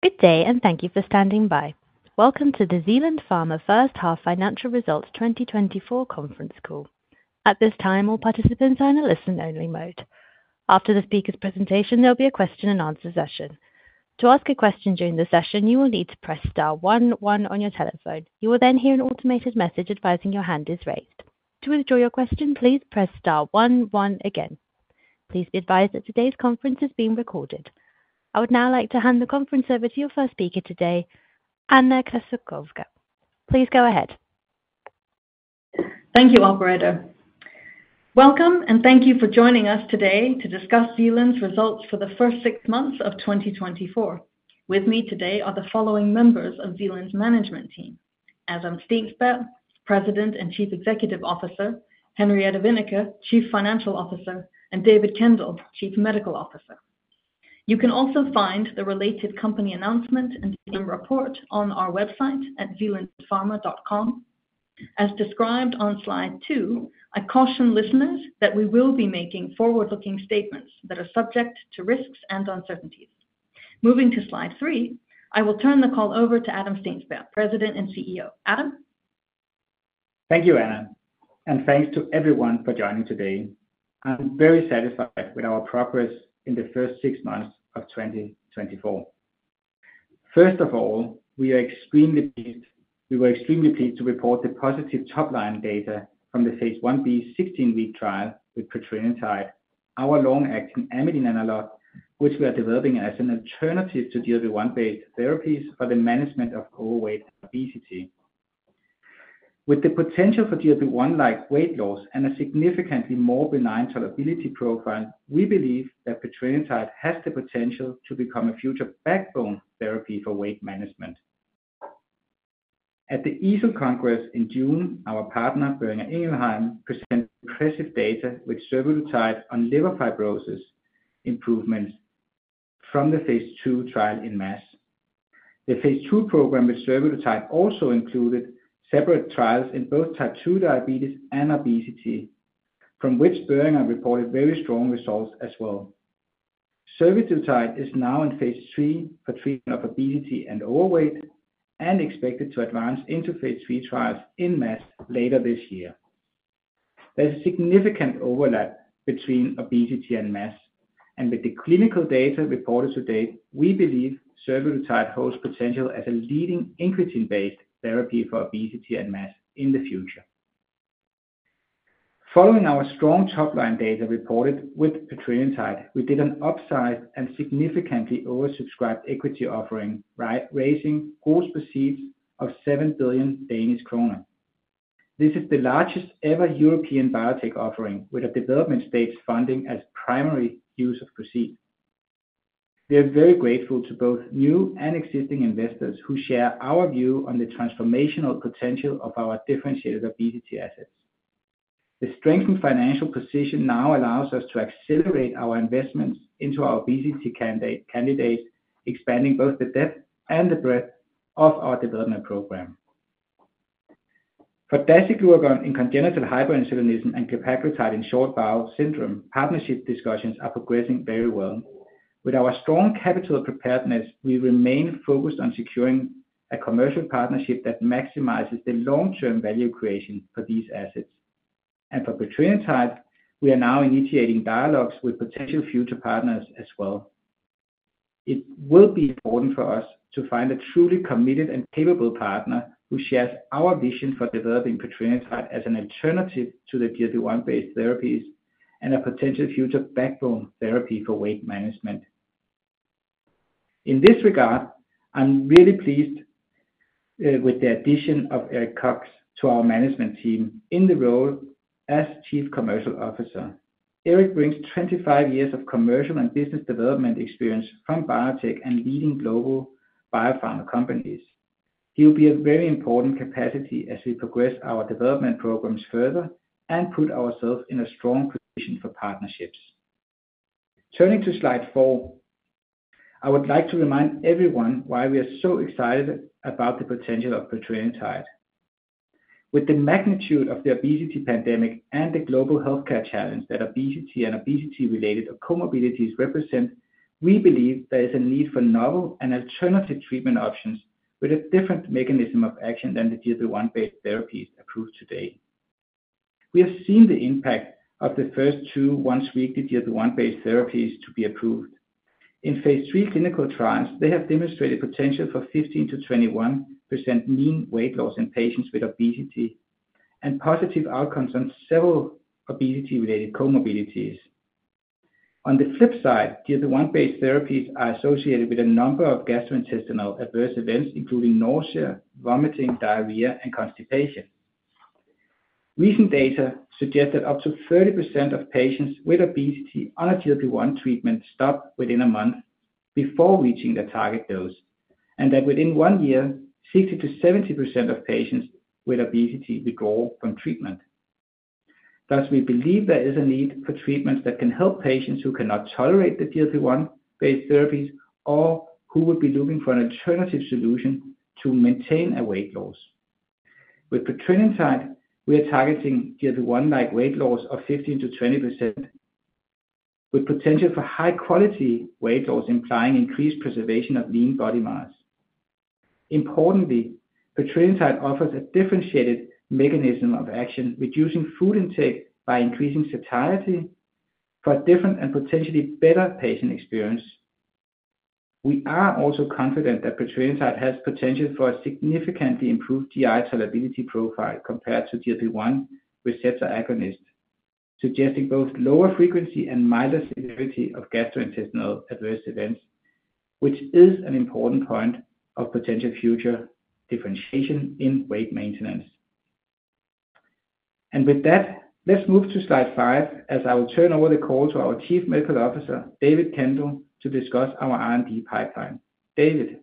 Good day, and thank you for standing by. Welcome to the Zealand Pharma first half financial results 2024 conference call. At this time, all participants are in a listen-only mode. After the speaker's presentation, there'll be a question and answer session. To ask a question during the session, you will need to press star one one on your telephone. You will then hear an automated message advising your hand is raised. To withdraw your question, please press star one one again. Please be advised that today's conference is being recorded. I would now like to hand the conference over to your first speaker today, Anna Krassowska. Please go ahead. Thank you, Operator. Welcome, and thank you for joining us today to discuss Zealand's results for the first six months of 2024. With me today are the following members of Zealand's management team: Adam Steensberg, President and Chief Executive Officer; Henriette Wennicke, Chief Financial Officer; and David Kendall, Chief Medical Officer. You can also find the related company announcement and report on our website at zealandpharma.com. As described on slide 2, I caution listeners that we will be making forward-looking statements that are subject to risks and uncertainties. Moving to slide 3, I will turn the call over to Adam Steensberg, President and CEO. Adam? Thank you, Anna, and thanks to everyone for joining today. I'm very satisfied with our progress in the first six months of 2024. First of all, we are extremely pleased, we were extremely pleased to report the positive top-line data from the phase I-B 16-week trial with petrelintide, our long-acting amylin analog, which we are developing as an alternative to GLP-1 based therapies for the management of overweight obesity. With the potential for GLP-1-like weight loss and a significantly more benign tolerability profile, we believe that petrelintide has the potential to become a future backbone therapy for weight management. At the EASL Congress in June, our partner, Boehringer Ingelheim, presented impressive data with survodutide on liver fibrosis improvements from the phase II trial in MASH. The phase II program with survodutide also included separate trials in both type 2 diabetes and obesity, from which Boehringer reported very strong results as well. Survodutide is now in phase III for treatment of obesity and overweight, and expected to advance into phase III trials in MASH later this year. There's significant overlap between obesity and MASH, and with the clinical data reported to date, we believe survodutide holds potential as a leading incretin-based therapy for obesity and MASH in the future. Following our strong top-line data reported with petrelintide, we did an upsize and significantly oversubscribed equity offering, right, raising gross proceeds of 7 billion Danish kroner. This is the largest ever European biotech offering, with a development-stage funding as primary use of proceeds. We are very grateful to both new and existing investors who share our view on the transformational potential of our differentiated obesity assets. The strengthened financial position now allows us to accelerate our investments into our obesity candidate, candidates, expanding both the depth and the breadth of our development program. For dasiglucagon in congenital hyperinsulinism and glepaglutide in short bowel syndrome, partnership discussions are progressing very well. With our strong capital preparedness, we remain focused on securing a commercial partnership that maximizes the long-term value creation for these assets. And for petrelintide, we are now initiating dialogues with potential future partners as well. It will be important for us to find a truly committed and capable partner who shares our vision for developing petrelintide as an alternative to the GLP-1-based therapies and a potential future backbone therapy for weight management. In this regard, I'm really pleased with the addition of Eric Cox to our management team in the role as Chief Commercial Officer. Eric brings 25 years of commercial and business development experience from biotech and leading global biopharma companies. He will be in a very important capacity as we progress our development programs further and put ourselves in a strong position for partnerships. Turning to slide 4, I would like to remind everyone why we are so excited about the potential of petrelintide. With the magnitude of the obesity pandemic and the global healthcare challenge that obesity and obesity-related comorbidities represent, we believe there is a need for novel and alternative treatment options with a different mechanism of action than the GLP-1-based therapies approved today. We have seen the impact of the first two once-weekly GLP-1-based therapies to be approved. In phase III clinical trials, they have demonstrated potential for 15%-21% mean weight loss in patients with obesity, and positive outcomes on several obesity-related comorbidities. On the flip side, GLP-1-based therapies are associated with a number of gastrointestinal adverse events, including nausea, vomiting, diarrhea, and constipation. Recent data suggest that up to 30% of patients with obesity on a GLP-1 treatment stop within a month before reaching their target dose, and that within one year, 60%-70% of patients with obesity withdraw from treatment. Thus, we believe there is a need for treatments that can help patients who cannot tolerate the GLP-1-based therapies or who would be looking for an alternative solution to maintain a weight loss.... With petrelintide, we are targeting GLP-1 like weight loss of 15%-20%, with potential for high quality weight loss, implying increased preservation of lean body mass. Importantly, petrelintide offers a differentiated mechanism of action, reducing food intake by increasing satiety for a different and potentially better patient experience. We are also confident that petrelintide has potential for a significantly improved GI tolerability profile compared to GLP-1 receptor agonist, suggesting both lower frequency and milder severity of gastrointestinal adverse events, which is an important point of potential future differentiation in weight maintenance. With that, let's move to slide five, as I will turn over the call to our Chief Medical Officer, David Kendall, to discuss our R&D pipeline. David?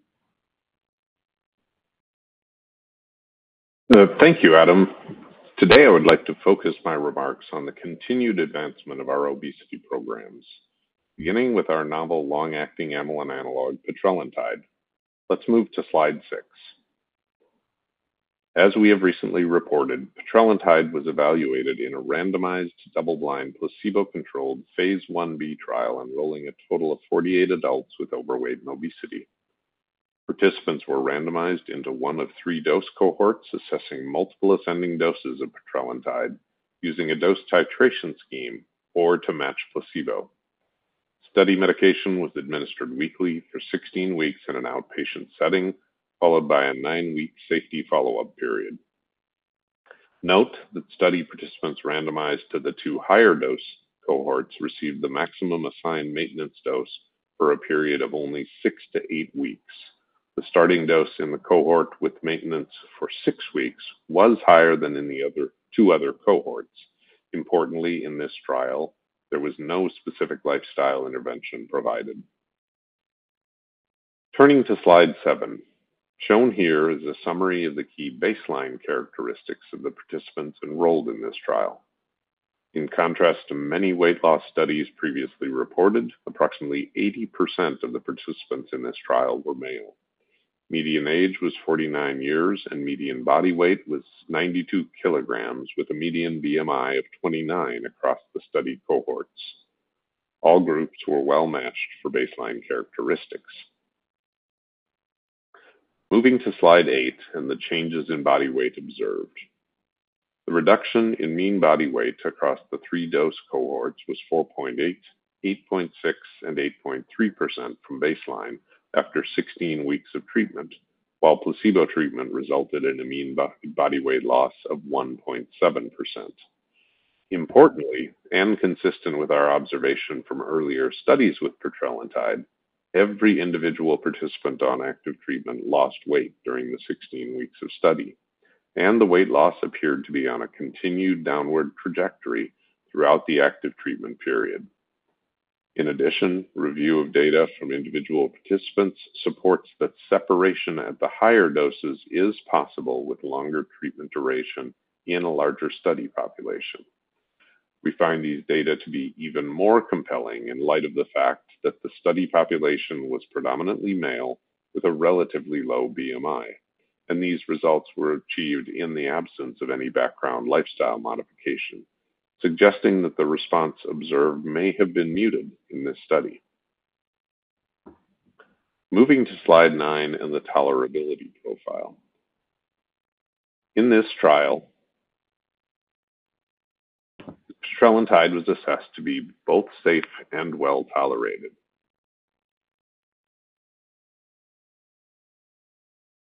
Thank you, Adam. Today, I would like to focus my remarks on the continued advancement of our obesity programs, beginning with our novel long-acting amylin analog, petrelintide. Let's move to slide 6. As we have recently reported, petrelintide was evaluated in a randomized, double-blind, placebo-controlled phase I-B trial, enrolling a total of 48 adults with overweight and obesity. Participants were randomized into one of three dose cohorts, assessing multiple ascending doses of petrelintide using a dose titration scheme or to match placebo. Study medication was administered weekly for 16 weeks in an outpatient setting, followed by a 9-week safety follow-up period. Note that study participants randomized to the two higher dose cohorts received the maximum assigned maintenance dose for a period of only 6 to 8 weeks. The starting dose in the cohort with maintenance for 6 weeks was higher than in the other two other cohorts. Importantly, in this trial, there was no specific lifestyle intervention provided. Turning to slide 7, shown here is a summary of the key baseline characteristics of the participants enrolled in this trial. In contrast to many weight loss studies previously reported, approximately 80% of the participants in this trial were male. Median age was 49 years, and median body weight was 92 kilograms, with a median BMI of 29 across the studied cohorts. All groups were well-matched for baseline characteristics. Moving to slide 8 and the changes in body weight observed. The reduction in mean body weight across the 3 dose cohorts was 4.8%, 8.6%, and 8.3% from baseline after 16 weeks of treatment, while placebo treatment resulted in a mean body weight loss of 1.7%. Importantly, and consistent with our observation from earlier studies with petrelintide, every individual participant on active treatment lost weight during the 16 weeks of study, and the weight loss appeared to be on a continued downward trajectory throughout the active treatment period. In addition, review of data from individual participants supports that separation at the higher doses is possible with longer treatment duration in a larger study population. We find these data to be even more compelling in light of the fact that the study population was predominantly male with a relatively low BMI, and these results were achieved in the absence of any background lifestyle modification, suggesting that the response observed may have been muted in this study. Moving to slide 9 and the tolerability profile. In this trial, petrelintide was assessed to be both safe and well tolerated.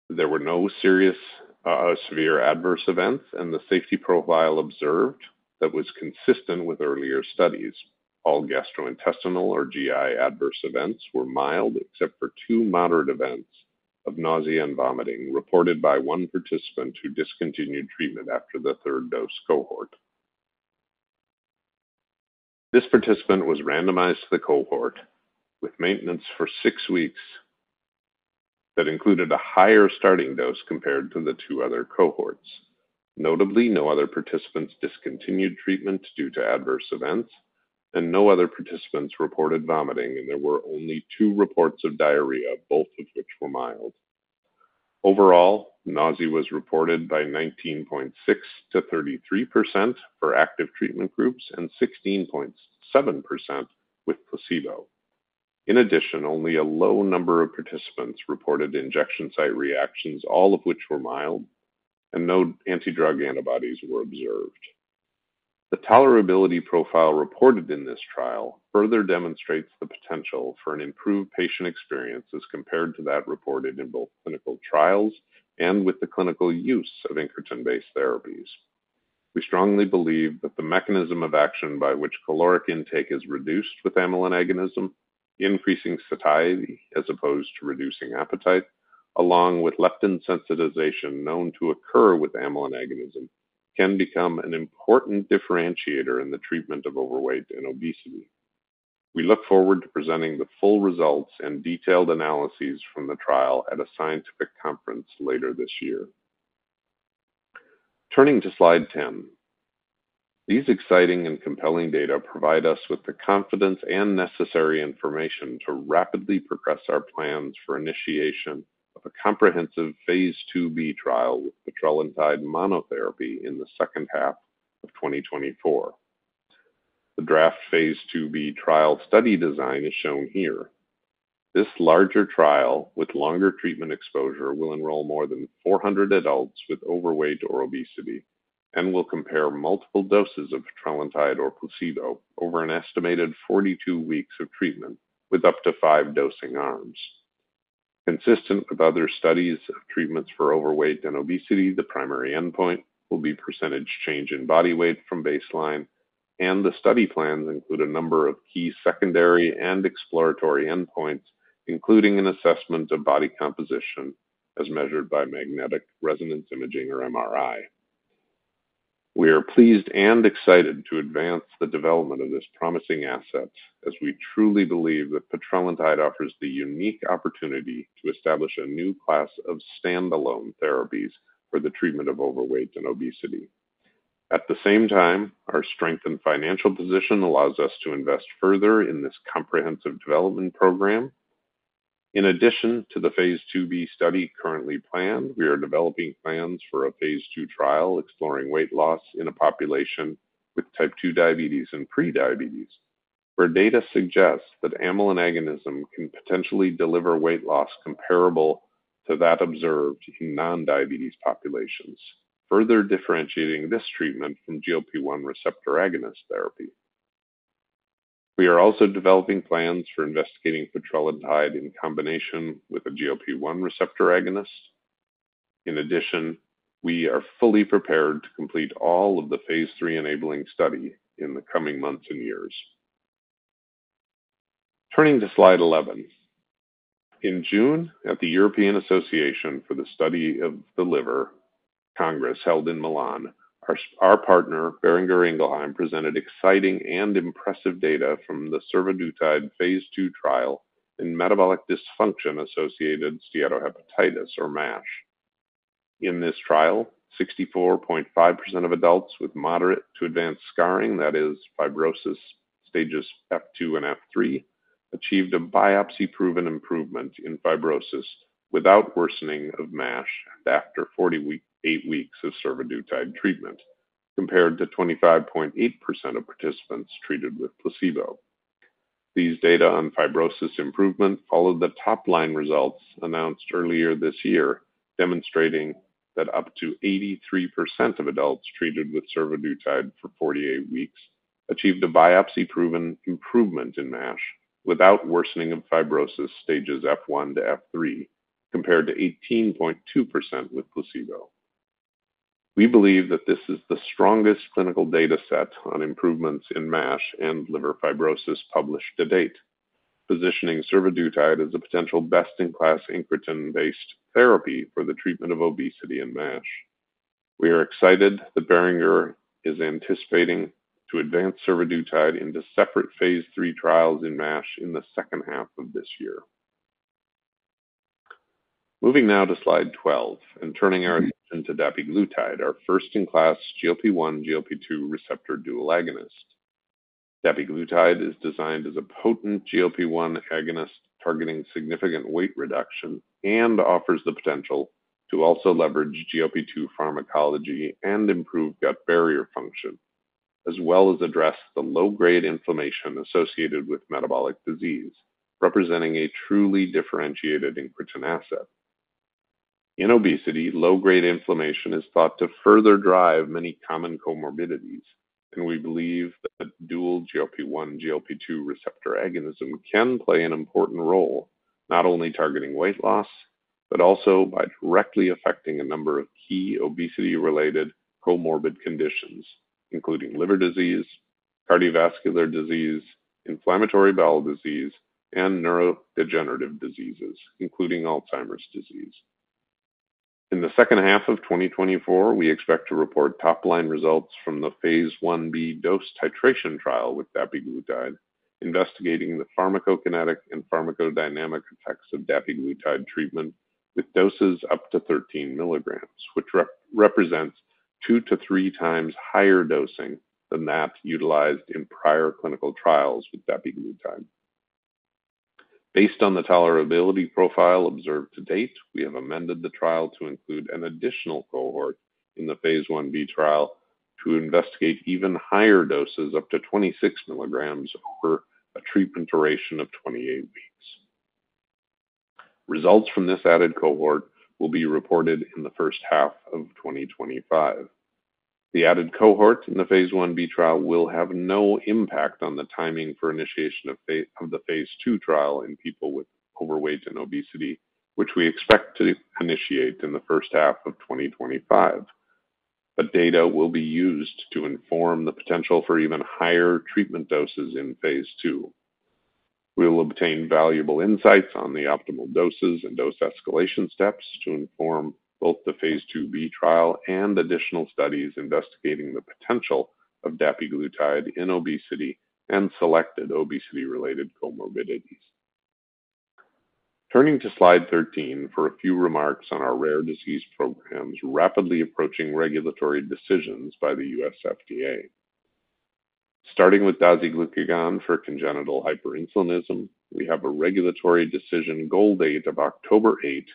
There were no serious, severe adverse events, and the safety profile observed that was consistent with earlier studies. All gastrointestinal or GI adverse events were mild, except for two moderate events of nausea and vomiting reported by one participant who discontinued treatment after the third dose cohort. This participant was randomized to the cohort with maintenance for six weeks, that included a higher starting dose compared to the two other cohorts. Notably, no other participants discontinued treatment due to adverse events, and no other participants reported vomiting, and there were only two reports of diarrhea, both of which were mild. Overall, nausea was reported by 19.6%-33% for active treatment groups and 16.7% with placebo. In addition, only a low number of participants reported injection site reactions, all of which were mild, and no anti-drug antibodies were observed. The tolerability profile reported in this trial further demonstrates the potential for an improved patient experience as compared to that reported in both clinical trials and with the clinical use of incretin-based therapies. We strongly believe that the mechanism of action by which caloric intake is reduced with amylin agonism, increasing satiety as opposed to reducing appetite, along with leptin sensitization known to occur with amylin agonism, can become an important differentiator in the treatment of overweight and obesity. We look forward to presenting the full results and detailed analyses from the trial at a scientific conference later this year. Turning to slide 10. These exciting and compelling data provide us with the confidence and necessary information to rapidly progress our plans for initiation of a comprehensive phase II-B trial with petrelintide monotherapy in the second half of 2024. The draft phase II-B trial study design is shown here. This larger trial, with longer treatment exposure, will enroll more than 400 adults with overweight or obesity and will compare multiple doses of petrelintide or placebo over an estimated 42 weeks of treatment, with up to 5 dosing arms. Consistent with other studies of treatments for overweight and obesity, the primary endpoint will be percentage change in body weight from baseline, and the study plans include a number of key secondary and exploratory endpoints, including an assessment of body composition as measured by magnetic resonance imaging, or MRI. We are pleased and excited to advance the development of this promising asset, as we truly believe that petrelintide offers the unique opportunity to establish a new class of standalone therapies for the treatment of overweight and obesity. At the same time, our strengthened financial position allows us to invest further in this comprehensive development program. In addition to the phase II-B study currently planned, we are developing plans for a phase II trial exploring weight loss in a population with type 2 diabetes and pre-diabetes, where data suggests that amylin agonism can potentially deliver weight loss comparable to that observed in non-diabetes populations, further differentiating this treatment from GLP-1 receptor agonist therapy. We are also developing plans for investigating petrelintide in combination with a GLP-1 receptor agonist. In addition, we are fully prepared to complete all of the phase III enabling study in the coming months and years. Turning to slide 11. In June, at the European Association for the Study of the Liver Congress held in Milan, our partner, Boehringer Ingelheim, presented exciting and impressive data from the survodutide phase II trial in metabolic dysfunction-associated steatohepatitis, or MASH. In this trial, 64.5% of adults with moderate to advanced scarring, that is, fibrosis stages F2 and F3, achieved a biopsy-proven improvement in fibrosis without worsening of MASH after 48 weeks of survodutide treatment, compared to 25.8% of participants treated with placebo. These data on fibrosis improvement followed the top-line results announced earlier this year, demonstrating that up to 83% of adults treated with survodutide for 48 weeks achieved a biopsy-proven improvement in MASH without worsening of fibrosis stages F1 to F3, compared to 18.2% with placebo. We believe that this is the strongest clinical data set on improvements in MASH and liver fibrosis published to date, positioning survodutide as a potential best-in-class incretin-based therapy for the treatment of obesity and MASH. We are excited that Boehringer is anticipating to advance survodutide into separate phase III trials in MASH in the second half of this year. Moving now to slide 12 and turning our attention to dapiglutide, our first-in-class GLP-1/GLP-2 receptor dual agonist. Dapiglutide is designed as a potent GLP-1 agonist targeting significant weight reduction and offers the potential to also leverage GLP-2 pharmacology and improve gut barrier function, as well as address the low-grade inflammation associated with metabolic disease, representing a truly differentiated incretin asset. In obesity, low-grade inflammation is thought to further drive many common comorbidities, and we believe that dual GLP-1/GLP-2 receptor agonism can play an important role, not only targeting weight loss, but also by directly affecting a number of key obesity-related comorbid conditions, including liver disease, cardiovascular disease, inflammatory bowel disease, and neurodegenerative diseases, including Alzheimer's disease. In the second half of 2024, we expect to report top-line results from the phase I-B dose titration trial with dapiglutide, investigating the pharmacokinetic and pharmacodynamic effects of dapiglutide treatment with doses up to 13 mg, which represents 2-3 times higher dosing than that utilized in prior clinical trials with dapiglutide. Based on the tolerability profile observed to date, we have amended the trial to include an additional cohort in the phase I-B trial to investigate even higher doses, up to 26 mg, over a treatment duration of 28 weeks. Results from this added cohort will be reported in the first half of 2025. The added cohort in the phase I-B trial will have no impact on the timing for initiation of of the phase II trial in people with overweight and obesity, which we expect to initiate in the first half of 2025. But data will be used to inform the potential for even higher treatment doses in phase II. We'll obtain valuable insights on the optimal doses and dose escalation steps to inform both the phase II-B trial and additional studies investigating the potential of dapiglutide in obesity and selected obesity-related comorbidities.... Turning to slide 13 for a few remarks on our rare disease programs, rapidly approaching regulatory decisions by the U.S. FDA. Starting with dasiglucagon for congenital hyperinsulinism, we have a regulatory decision goal date of October 8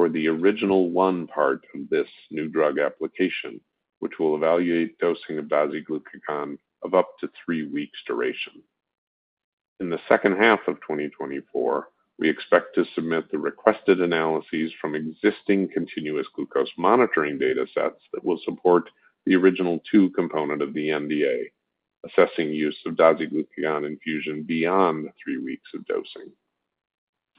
for the original one part of this new drug application, which will evaluate dosing of dasiglucagon of up to 3 weeks duration. In the second half of 2024, we expect to submit the requested analyses from existing continuous glucose monitoring data sets that will support the original two component of the NDA, assessing use of dasiglucagon infusion beyond 3 weeks of dosing.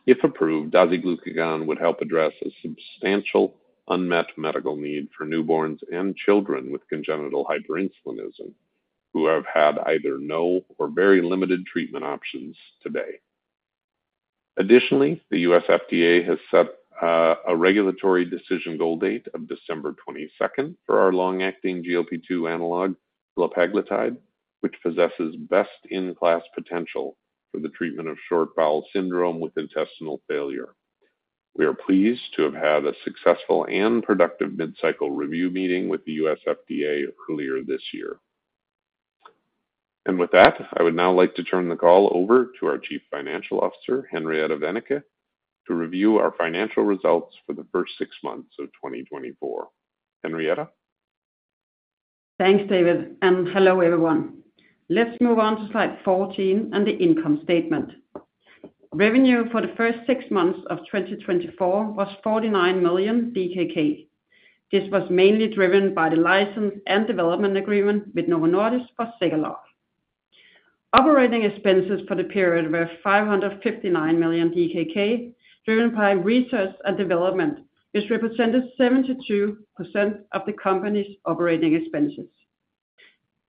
If approved, dasiglucagon would help address a substantial unmet medical need for newborns and children with congenital hyperinsulinism, who have had either no or very limited treatment options today. Additionally, the U.S. FDA has set a regulatory decision goal date of December 22 for our long-acting GLP-2 analog, glepaglutide, which possesses best-in-class potential for the treatment of short bowel syndrome with intestinal failure. We are pleased to have had a successful and productive mid-cycle review meeting with the U.S. FDA earlier this year. With that, I would now like to turn the call over to our Chief Financial Officer, Henriette Wennicke, to review our financial results for the first six months of 2024. Henriette? Thanks, David, and hello, everyone. Let's move on to slide 14 and the income statement. Revenue for the first six months of 2024 was 49 million DKK. This was mainly driven by the license and development agreement with Novo Nordisk for Zegalogue. Operating expenses for the period were 559 million DKK, driven by research and development, which represented 72% of the company's operating expenses.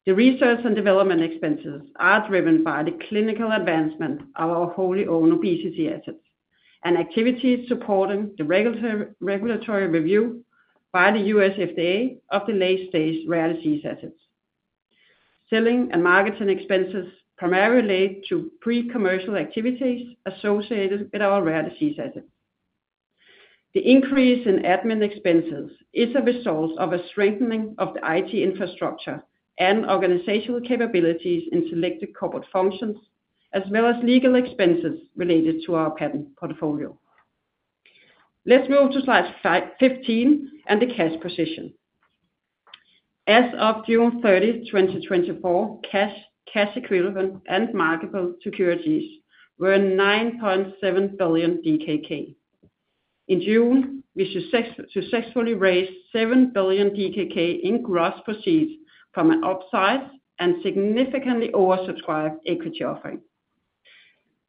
The research and development expenses are driven by the clinical advancement of our wholly owned obesity assets and activities supporting the regulatory, regulatory review by the U.S. FDA of the late-stage rare disease assets. Selling and marketing expenses primarily relate to pre-commercial activities associated with our rare disease assets. The increase in admin expenses is a result of a strengthening of the IT infrastructure and organizational capabilities in selected corporate functions, as well as legal expenses related to our patent portfolio. Let's move to slide 15 and the cash position. As of June 30, 2024, cash, cash equivalents, and marketable securities were 9.7 billion DKK. In June, we successfully raised 7 billion DKK in gross proceeds from an upsized and significantly oversubscribed equity offering.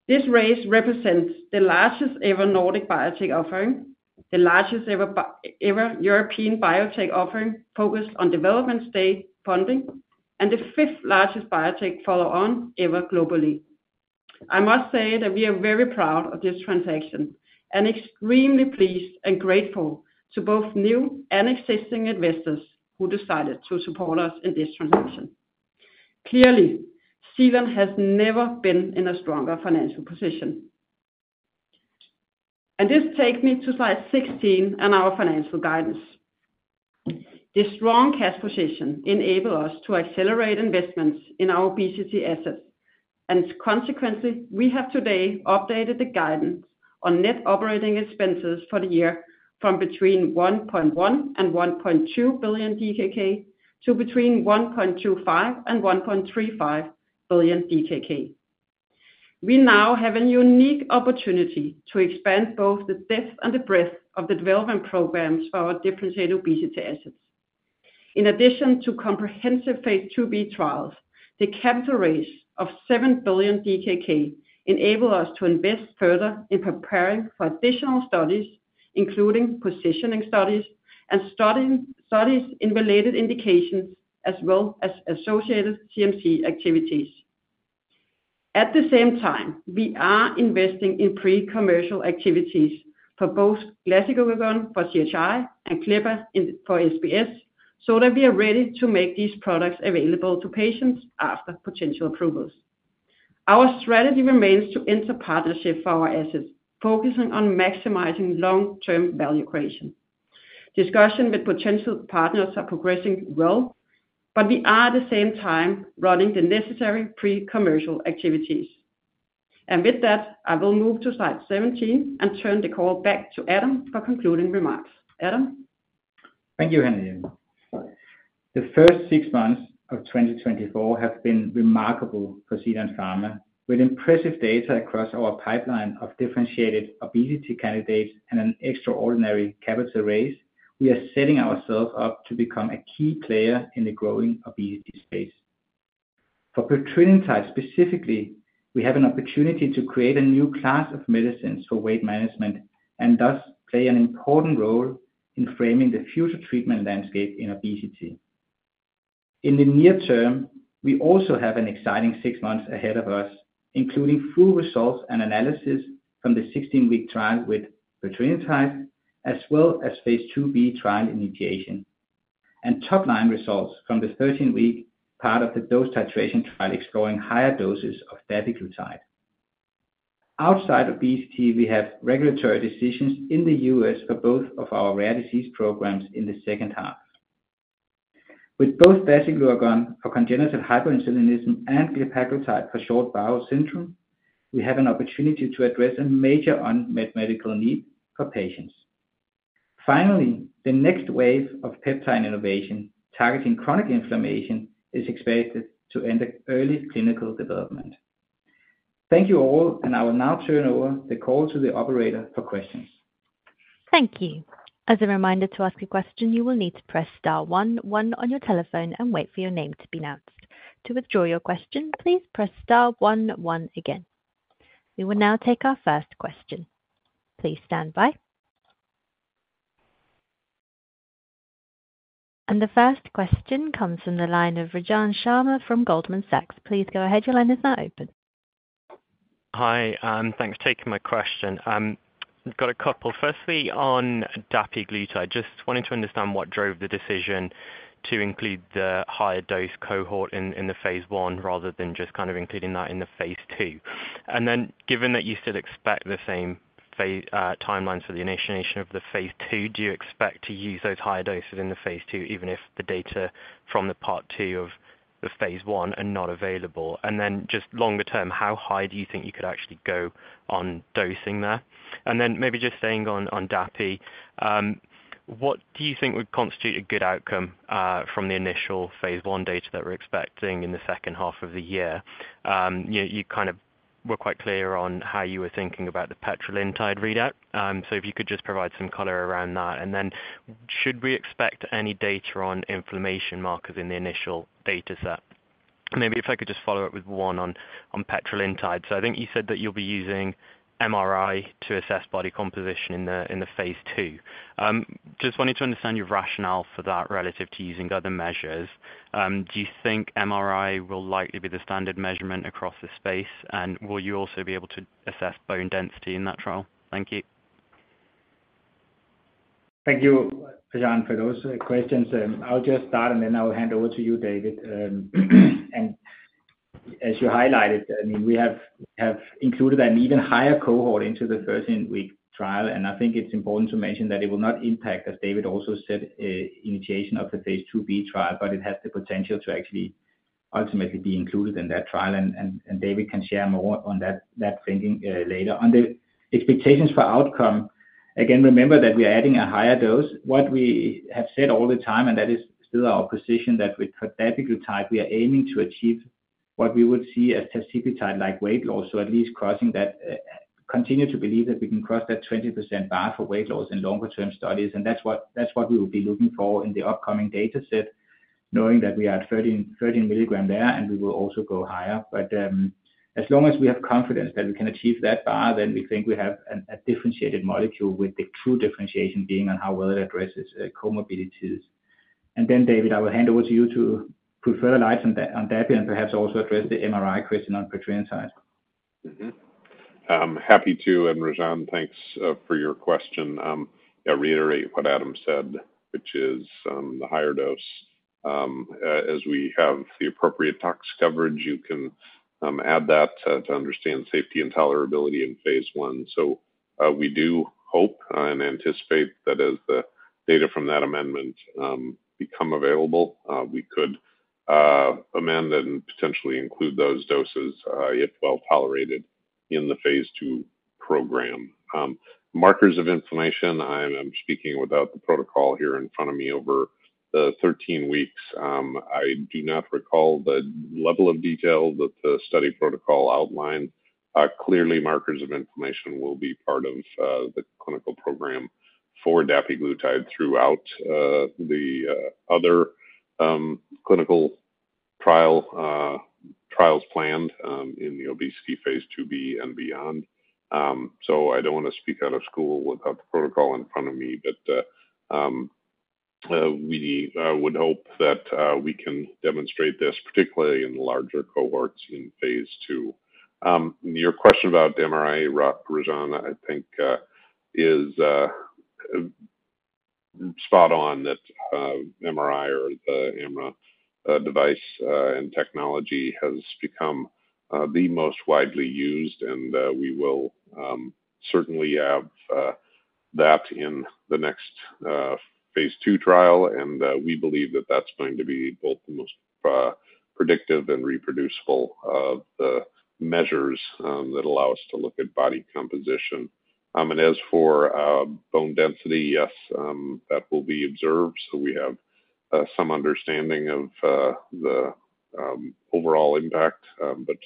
This raise represents the largest ever Nordic biotech offering, the largest ever European biotech offering focused on development-stage funding, and the fifth largest biotech follow-on ever globally. I must say that we are very proud of this transaction, and extremely pleased and grateful to both new and existing investors who decided to support us in this transaction. Clearly, Zealand Pharma has never been in a stronger financial position. This takes me to slide 16 and our financial guidance. The strong cash position enable us to accelerate investments in our obesity assets, and consequently, we have today updated the guidance on net operating expenses for the year from between 1.1 and 1.2 billion DKK to between 1.25 and 1.35 billion DKK. We now have a unique opportunity to expand both the depth and the breadth of the development programs for our differentiated obesity assets. In addition to comprehensive phase IIb trials, the capital raise of 7 billion DKK enable us to invest further in preparing for additional studies, including positioning studies and studies in related indications as well as associated CMC activities. At the same time, we are investing in pre-commercial activities for both dasiglucagon for CHI and glepaglutide for SBS, so that we are ready to make these products available to patients after potential approvals. Our strategy remains to enter partnership for our assets, focusing on maximizing long-term value creation. Discussions with potential partners are progressing well, but we are at the same time running the necessary pre-commercial activities. With that, I will move to slide 17 and turn the call back to Adam for concluding remarks. Adam? Thank you, Henriette. The first six months of 2024 have been remarkable for Zealand Pharma. With impressive data across our pipeline of differentiated obesity candidates and an extraordinary capital raise, we are setting ourselves up to become a key player in the growing obesity space. For petrelintide specifically, we have an opportunity to create a new class of medicines for weight management, and thus play an important role in framing the future treatment landscape in obesity. In the near term, we also have an exciting six months ahead of us, including full results and analysis from the 16-week trial with petrelintide, as well as phase IIb trial initiation and top-line results from the 13-week part of the dose titration trial exploring higher doses of dapiglutide. Outside obesity, we have regulatory decisions in the U.S. for both of our rare disease programs in the second half. With both dasiglucagon for congenital hyperinsulinism and glepaglutide for short bowel syndrome, we have an opportunity to address a major unmet medical need for patients. Finally, the next wave of peptide innovation, targeting chronic inflammation, is expected to end early clinical development. Thank you all, and I will now turn over the call to the operator for questions. Thank you. As a reminder, to ask a question, you will need to press star one one on your telephone and wait for your name to be announced. To withdraw your question, please press star one one again. We will now take our first question. Please stand by. The first question comes from the line of Rajan Sharma from Goldman Sachs. Please go ahead. Your line is now open. Hi, thanks for taking my question. I've got a couple. Firstly, on dapiglutide, just wanting to understand what drove the decision to include the higher dose cohort in the phase I, rather than just kind of including that in the phase II. And then given that you still expect the same timelines for the initiation of the phase II, do you expect to use those higher doses in the phase II, even if the data from the part 2 of the phase I are not available? And then just longer term, how high do you think you could actually go on dosing there? And then maybe just staying on dapi, what do you think would constitute a good outcome from the initial phase I data that we're expecting in the second half of the year? You kind of were quite clear on how you were thinking about the petrelintide readout. So if you could just provide some color around that. And then should we expect any data on inflammation markers in the initial data set? Maybe if I could just follow up with one on petrelintide. So I think you said that you'll be using MRI to assess body composition in the phase II. Just wanted to understand your rationale for that relative to using other measures. Do you think MRI will likely be the standard measurement across the space? And will you also be able to assess bone density in that trial? Thank you. Thank you, Rajan, for those questions. I'll just start, and then I will hand over to you, David. And as you highlighted, I mean, we have included an even higher cohort into the 13-week trial, and I think it's important to mention that it will not impact, as David also said, initiation of the phase II-B trial, but it has the potential to actually ultimately be included in that trial, and David can share more on that thinking later. On the expectations for outcome, again, remember that we are adding a higher dose. What we have said all the time, and that is still our position, that with dapiglutide, we are aiming to achieve what we would see as tirzepatide-like weight loss, so at least crossing that. Continue to believe that we can cross that 20% bar for weight loss in longer term studies, and that's what, that's what we will be looking for in the upcoming dataset, knowing that we are at 13, 13 mg there, and we will also go higher. But, as long as we have confidence that we can achieve that bar, then we think we have a, a differentiated molecule with the true differentiation being on how well it addresses comorbidities. And then, David, I will hand over to you to further elaborate on that, on that, and perhaps also address the MRI question on petrelintide side. Mm-hmm. I'm happy to, and Rajan, thanks for your question. I reiterate what Adam said, which is, the higher dose, as we have the appropriate tox coverage, you can add that to understand safety and tolerability in phase I. So, we do hope and anticipate that as the data from that amendment become available, we could amend and potentially include those doses, if well tolerated in the phase II program. Markers of inflammation, I'm speaking without the protocol here in front of me, over the 13 weeks, I do not recall the level of detail that the study protocol outlined. Clearly, markers of inflammation will be part of the clinical program for dapiglutide throughout the other clinical trials planned in the obesity phase II-B and beyond. So I don't want to speak out of school without the protocol in front of me, but we would hope that we can demonstrate this, particularly in larger cohorts in phase II. Your question about MRI, Rajan, I think is spot on, that MRI or the MR device and technology has become the most widely used, and we will certainly have that in the next phase II trial. And we believe that that's going to be both the most predictive and reproducible of the measures that allow us to look at body composition. And as for bone density, yes, that will be observed. So we have some understanding of the overall impact, but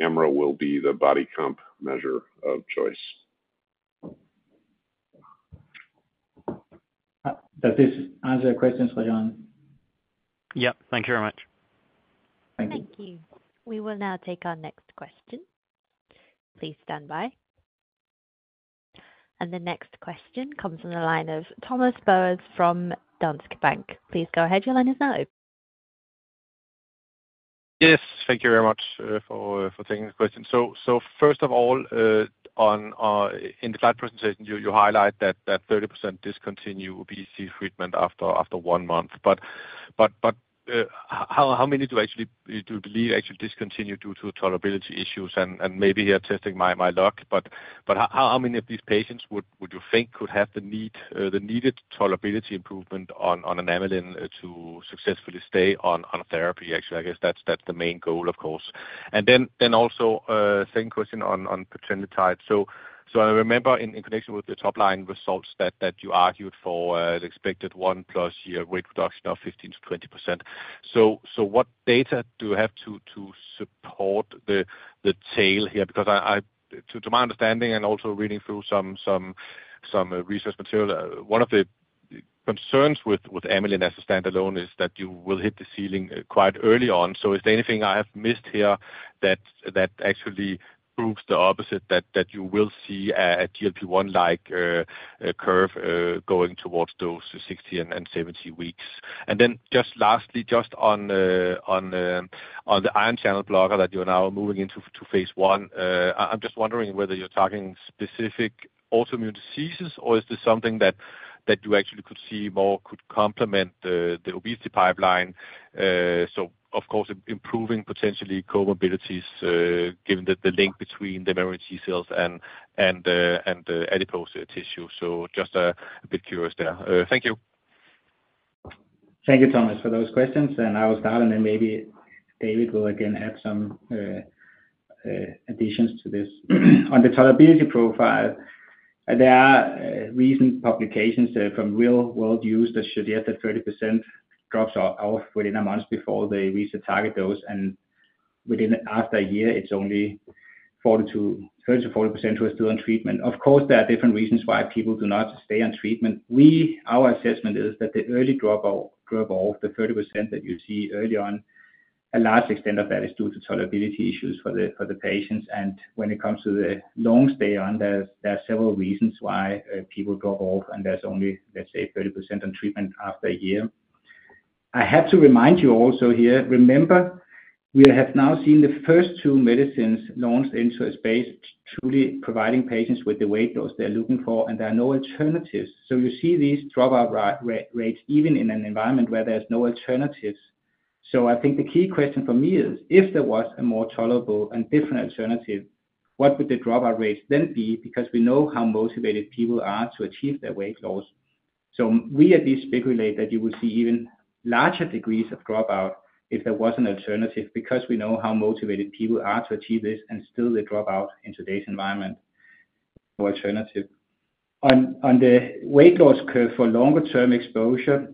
MR will be the body comp measure of choice. Does this answer your questions, Rajan? Yep. Thank you very much. Thank you. Thank you. We will now take our next question. Please stand by. The next question comes from the line of Thomas Bowers from Danske Bank. Please go ahead, your line is now open. Yes, thank you very much for taking the question. So first of all, on in the slide presentation, you highlight that 30% discontinue obesity treatment after one month. But how many do you actually believe actually discontinue due to tolerability issues? And maybe you're testing my luck, but how many of these patients would you think could have the need the needed tolerability improvement on an amylin to successfully stay on therapy? Actually, I guess that's the main goal, of course. And then also, second question on petrelintide. So I remember in connection with the top line results that you argued for the expected 1+ year weight reduction of 15%-20%. So what data do you have to support the tail here? Because I—to my understanding, and also reading through some research material, one of the concerns with amylin as a standalone is that you will hit the ceiling quite early on. So is there anything I have missed here that actually proves the opposite, that you will see a GLP-1 like a curve going towards those 60 and 70 weeks? And then just lastly, just on the ion channel blocker that you are now moving into phase I, I'm just wondering whether you're targeting specific autoimmune diseases, or is this something that you actually could see more could complement the obesity pipeline? So of course, improving potentially comorbidities, given that the link between the memory T cells and the adipose tissue. So just a bit curious there. Thank you. Thank you, Thomas, for those questions. I will start, and then maybe David will again add some additions to this. On the tolerability profile, there are recent publications from real world use that should show that 30% drop off within a month before they reach the target dose, and within after a year, it's only 30%-40% who are still on treatment. Of course, there are different reasons why people do not stay on treatment. Our assessment is that the early dropout, drop off, the 30% that you see early on, a large extent of that is due to tolerability issues for the patients. When it comes to the long stay on, there are several reasons why people drop off, and there's only, let's say, 30% on treatment after a year. I have to remind you also here, remember, we have now seen the first two medicines launched into a space, truly providing patients with the weight loss they're looking for, and there are no alternatives. So you see these dropout rates even in an environment where there's no alternatives. So I think the key question for me is, if there was a more tolerable and different alternative, what would the dropout rates then be? Because we know how motivated people are to achieve their weight loss. So we at least speculate that you will see even larger degrees of dropout if there was an alternative, because we know how motivated people are to achieve this, and still they drop out in today's environment for alternative. On the weight loss curve for longer-term exposure,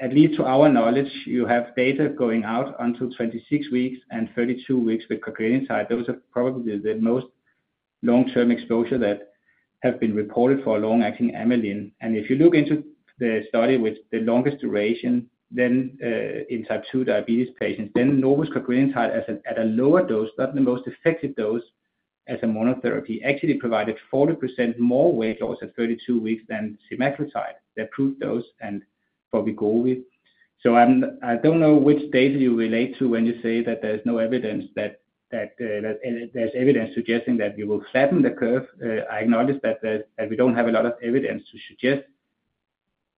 at least to our knowledge, you have data going out until 26 weeks and 32 weeks with cagrilintide. Those are probably the most long-term exposure that have been reported for a long-acting amylin. And if you look into the study with the longest duration, in type 2 diabetes patients, Novo’s cagrilintide at a lower dose, not the most effective dose as a monotherapy, actually provided 40% more weight loss at 32 weeks than semaglutide. They approved those and what we go with. So I'm- I don't know which data you relate to when you say that there's no evidence that that there's evidence suggesting that we will flatten the curve. I acknowledge that there, that we don't have a lot of evidence to suggest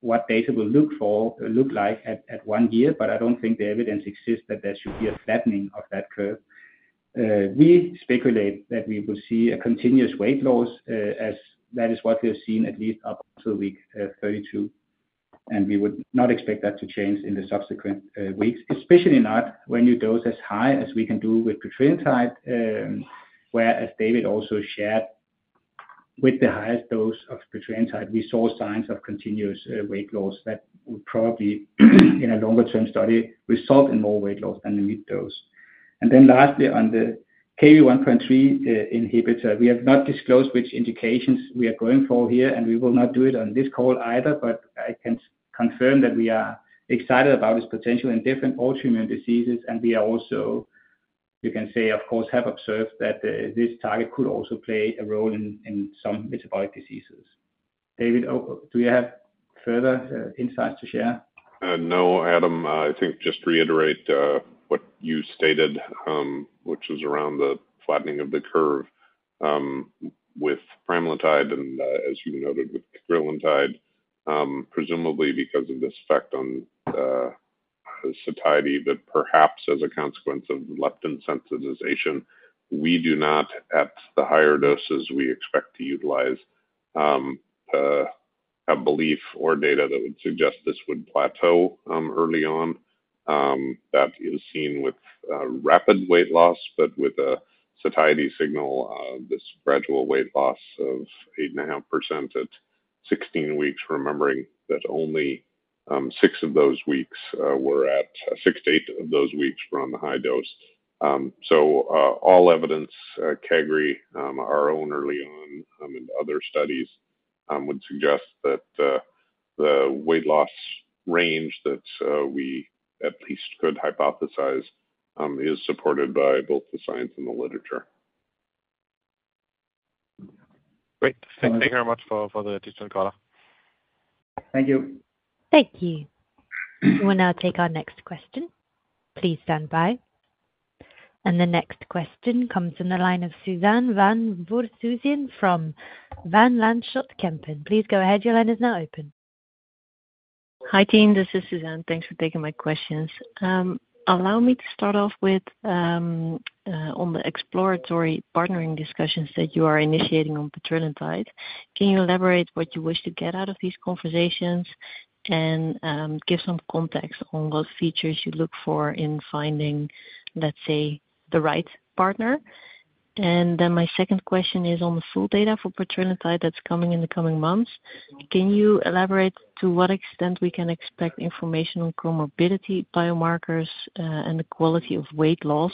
what data will look like at one year, but I don't think the evidence exists that there should be a flattening of that curve. We speculate that we will see a continuous weight loss, as that is what we have seen, at least up to week 32, and we would not expect that to change in the subsequent weeks, especially not when you dose as high as we can do with petrelintide. Where, as David also shared, with the highest dose of petrelintide, we saw signs of continuous weight loss that would probably, in a longer term study, result in more weight loss than the mid dose. Then lastly, on the KV1.3 inhibitor, we have not disclosed which indications we are going for here, and we will not do it on this call either. But I can confirm that we are excited about this potential in different autoimmune diseases, and we are also, you can say, of course, have observed that this target could also play a role in some metabolic diseases. David, oh, do you have further insights to share? No, Adam, I think just to reiterate what you stated, which is around the flattening of the curve with petrelintide and, as you noted, with cagrilintide, presumably because of this effect on the satiety, but perhaps as a consequence of leptin sensitization, we do not, at the higher doses we expect to utilize, have belief or data that would suggest this would plateau early on. That is seen with rapid weight loss, but with a satiety signal, this gradual weight loss of 8.5% at 16 weeks, remembering that only 6 of those weeks, 6-8 of those weeks were on the high dose. All evidence, Cagri, our own early on, and other studies would suggest that the weight loss range that we at least could hypothesize is supported by both the science and the literature. Great. Thank you very much for the additional call. Thank you. Thank you. We'll now take our next question. Please stand by. And the next question comes from the line of Suzanne van Voorthuizen from Van Lanschot Kempen. Please go ahead. Your line is now open. Hi, team, this is Suzanne. Thanks for taking my questions. Allow me to start off with on the exploratory partnering discussions that you are initiating on the petrelintide. Can you elaborate what you wish to get out of these conversations, and give some context on what features you look for in finding, let's say, the right partner? And then my second question is on the full data for petrelintide that's coming in the coming months. Can you elaborate to what extent we can expect information on comorbidity, biomarkers, and the quality of weight loss?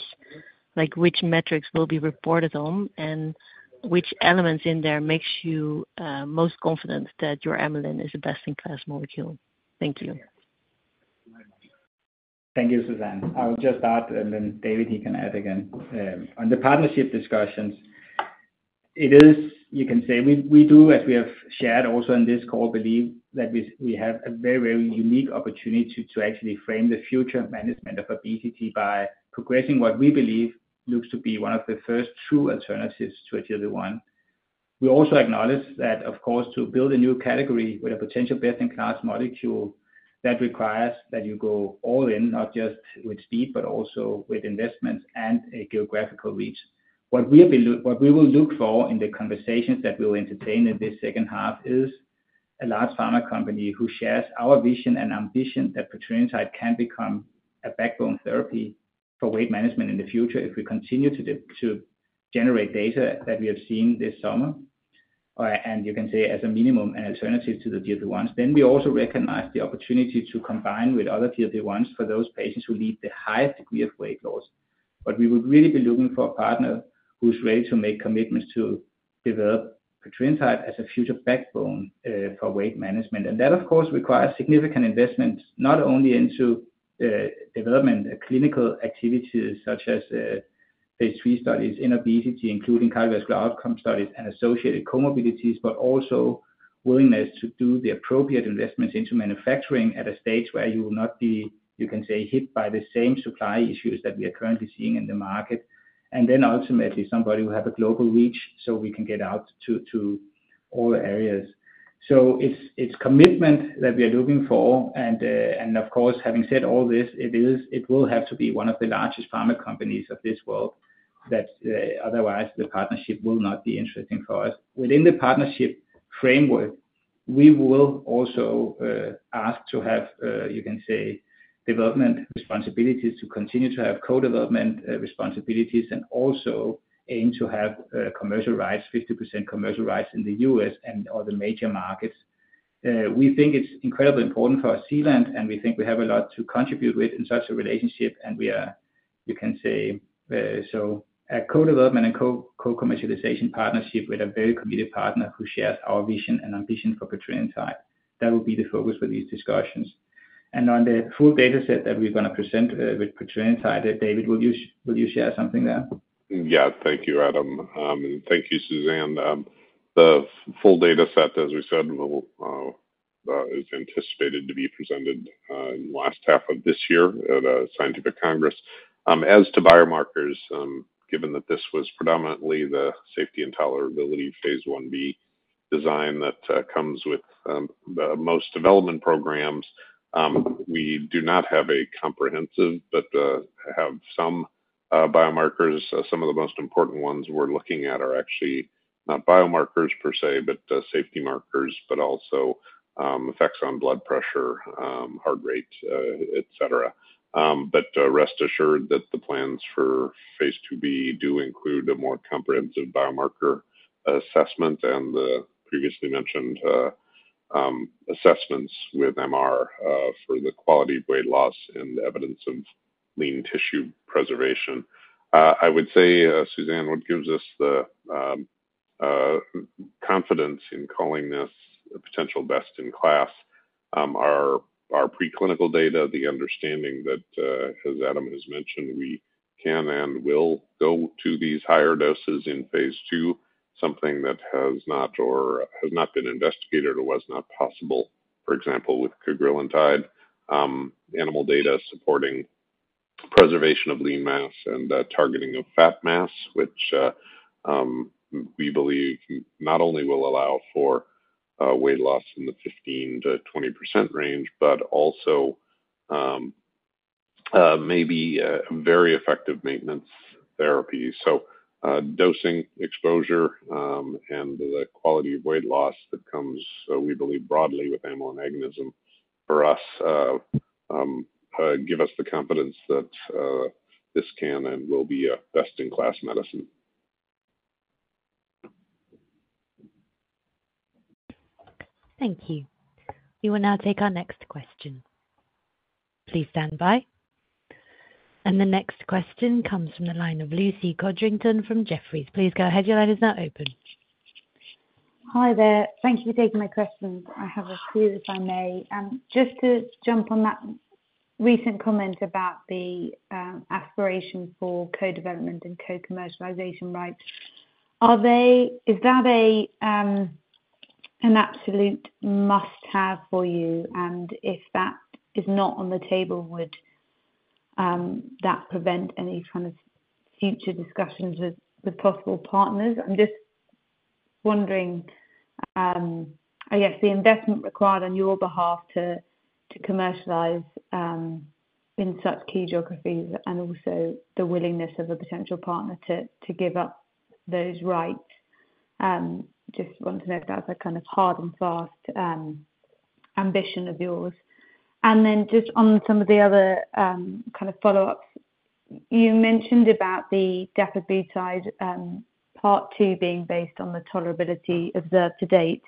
Like, which metrics will be reported on, and which elements in there makes you most confident that your amylin is a best-in-class molecule? Thank you. Thank you, Suzanne. I'll just start, and then David, you can add again. On the partnership discussions, it is, you can say, we do, as we have shared also in this call, believe that we have a very, very unique opportunity to actually frame the future management of obesity by progressing what we believe looks to be one of the first true alternatives to a GLP-1. We also acknowledge that, of course, to build a new category with a potential best-in-class molecule, that requires that you go all in, not just with speed, but also with investments and a geographical reach. What we will look for in the conversations that we'll entertain in this second half is a large pharma company who shares our vision and ambition that petrelintide can become a backbone therapy for weight management in the future, if we continue to do, to generate data that we have seen this summer. And you can say, as a minimum, an alternative to the GLP-1. Then we also recognize the opportunity to combine with other GLP-1s for those patients who need the highest degree of weight loss. But we would really be looking for a partner who's ready to make commitments to develop petrelintide as a future backbone for weight management. And that, of course, requires significant investment, not only into development and clinical activities such as phase III studies in obesity, including cardiovascular outcome studies and associated comorbidities, but also willingness to do the appropriate investments into manufacturing at a stage where you will not be, you can say, hit by the same supply issues that we are currently seeing in the market. And then ultimately, somebody will have a global reach, so we can get out to, to all areas. So it's, it's commitment that we are looking for, and, and of course, having said all this, it is. It will have to be one of the largest pharma companies of this world, that otherwise the partnership will not be interesting for us. Within the partnership framework, we will also ask to have, you can say, development responsibilities, to continue to have co-development responsibilities, and also aim to have commercial rights, 50% commercial rights in the U.S. and other major markets. We think it's incredibly important for our Zealand, and we think we have a lot to contribute with in such a relationship, and we are, you can say, so a co-development and co-co-commercialization partnership with a very committed partner who shares our vision and ambition for petrelintide. That will be the focus for these discussions. And on the full data set that we're gonna present with petrelintide, David, will you share something there? Yeah. Thank you, Adam. Thank you, Suzanne. The full data set, as we said, is anticipated to be presented in the last half of this year at a scientific congress. As to biomarkers, given that this was predominantly the safety and tolerability phase Ib design that comes with most development programs, we do not have a comprehensive, but have some biomarkers. Some of the most important ones we're looking at are actually not biomarkers per se, but safety markers, but also effects on blood pressure, heart rate, et cetera. Rest assured that the plans for phase IIb do include a more comprehensive biomarker assessment and the previously mentioned assessments with MR for the quality of weight loss and evidence of lean tissue preservation. I would say, Suzanne, what gives us the confidence in calling this a potential best-in-class are our preclinical data, the understanding that, as Adam has mentioned, we can and will go to these higher doses in phase II, something that has not or has not been investigated or was not possible, for example, with cagrilintide, animal data supporting preservation of lean mass and the targeting of fat mass, which we believe not only will allow for weight loss in the 15%-20% range, but also maybe a very effective maintenance therapy. So, dosing, exposure, and the quality of weight loss that comes, we believe, broadly with amylin agonism for us give us the confidence that this can and will be a best-in-class medicine. Thank you. We will now take our next question. Please stand by. And the next question comes from the line of Lucy Codrington from Jefferies. Please go ahead, your line is now open. Hi there. Thank you for taking my questions. I have a few, if I may. Just to jump on that recent comment about the aspiration for co-development and co-commercialization rights. Are they, is that an absolute must have for you? And if that is not on the table, would that prevent any kind of future discussions with possible partners? I'm just wondering, I guess, the investment required on your behalf to commercialize in such key geographies and also the willingness of a potential partner to give up those rights. Just want to know if that's a kind of hard and fast ambition of yours. And then just on some of the other kind of follow-ups, you mentioned about the dapiglutide part two being based on the tolerability observed to date.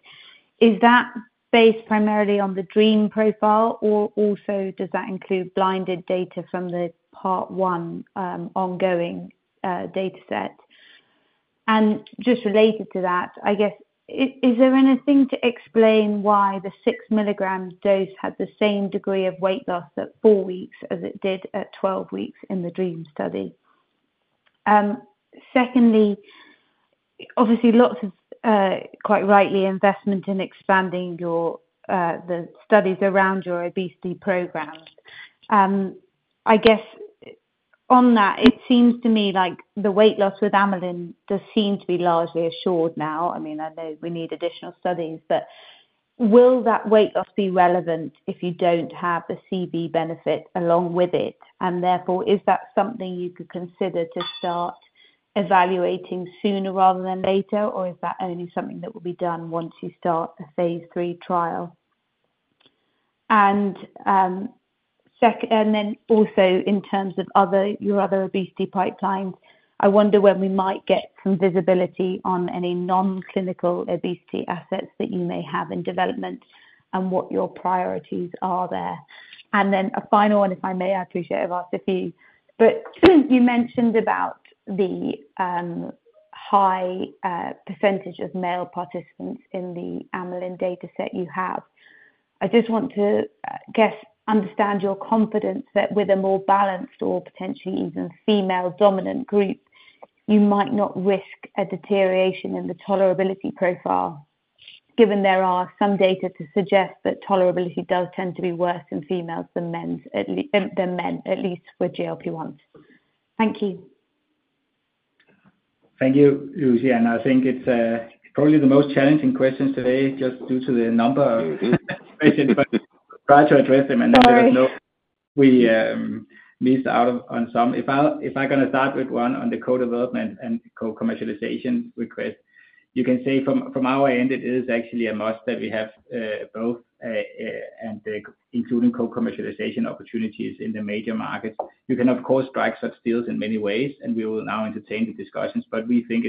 Is that based primarily on the DREAM profile, or also does that include blinded data from the part one, ongoing, dataset? And just related to that, I guess, is there anything to explain why the 6 milligrams dose had the same degree of weight loss at 4 weeks as it did at 12 weeks in the DREAM study? Secondly, obviously, lots of, quite rightly, investment in expanding the studies around your obesity program. I guess on that, it seems to me like the weight loss with amylin does seem to be largely assured now. I mean, I know we need additional studies, but will that weight loss be relevant if you don't have the CV benefit along with it? And therefore, is that something you could consider to start evaluating sooner rather than later, or is that only something that will be done once you start the phase III trial? And, and then also in terms of other, your other obesity pipelines, I wonder when we might get some visibility on any non-clinical obesity assets that you may have in development and what your priorities are there. And then a final one, if I may, I appreciate I've asked a few, but you mentioned about the high percentage of male participants in the amylin dataset you have. I just want to guess understand your confidence that with a more balanced or potentially even female dominant group, you might not risk a deterioration in the tolerability profile, given there are some data to suggest that tolerability does tend to be worse in females than mens, than men, at least with GLP-1. Thank you. Thank you, Lucy. I think it's probably the most challenging questions today, just due to the number of questions, but try to address them- Sorry. And let us know we missed out on some. If I'm gonna start with one on the co-development and co-commercialization request, you can say from our end, it is actually a must that we have both and including co-commercialization opportunities in the major markets. We can, of course, strike such deals in many ways, and we will now entertain the discussions, but we think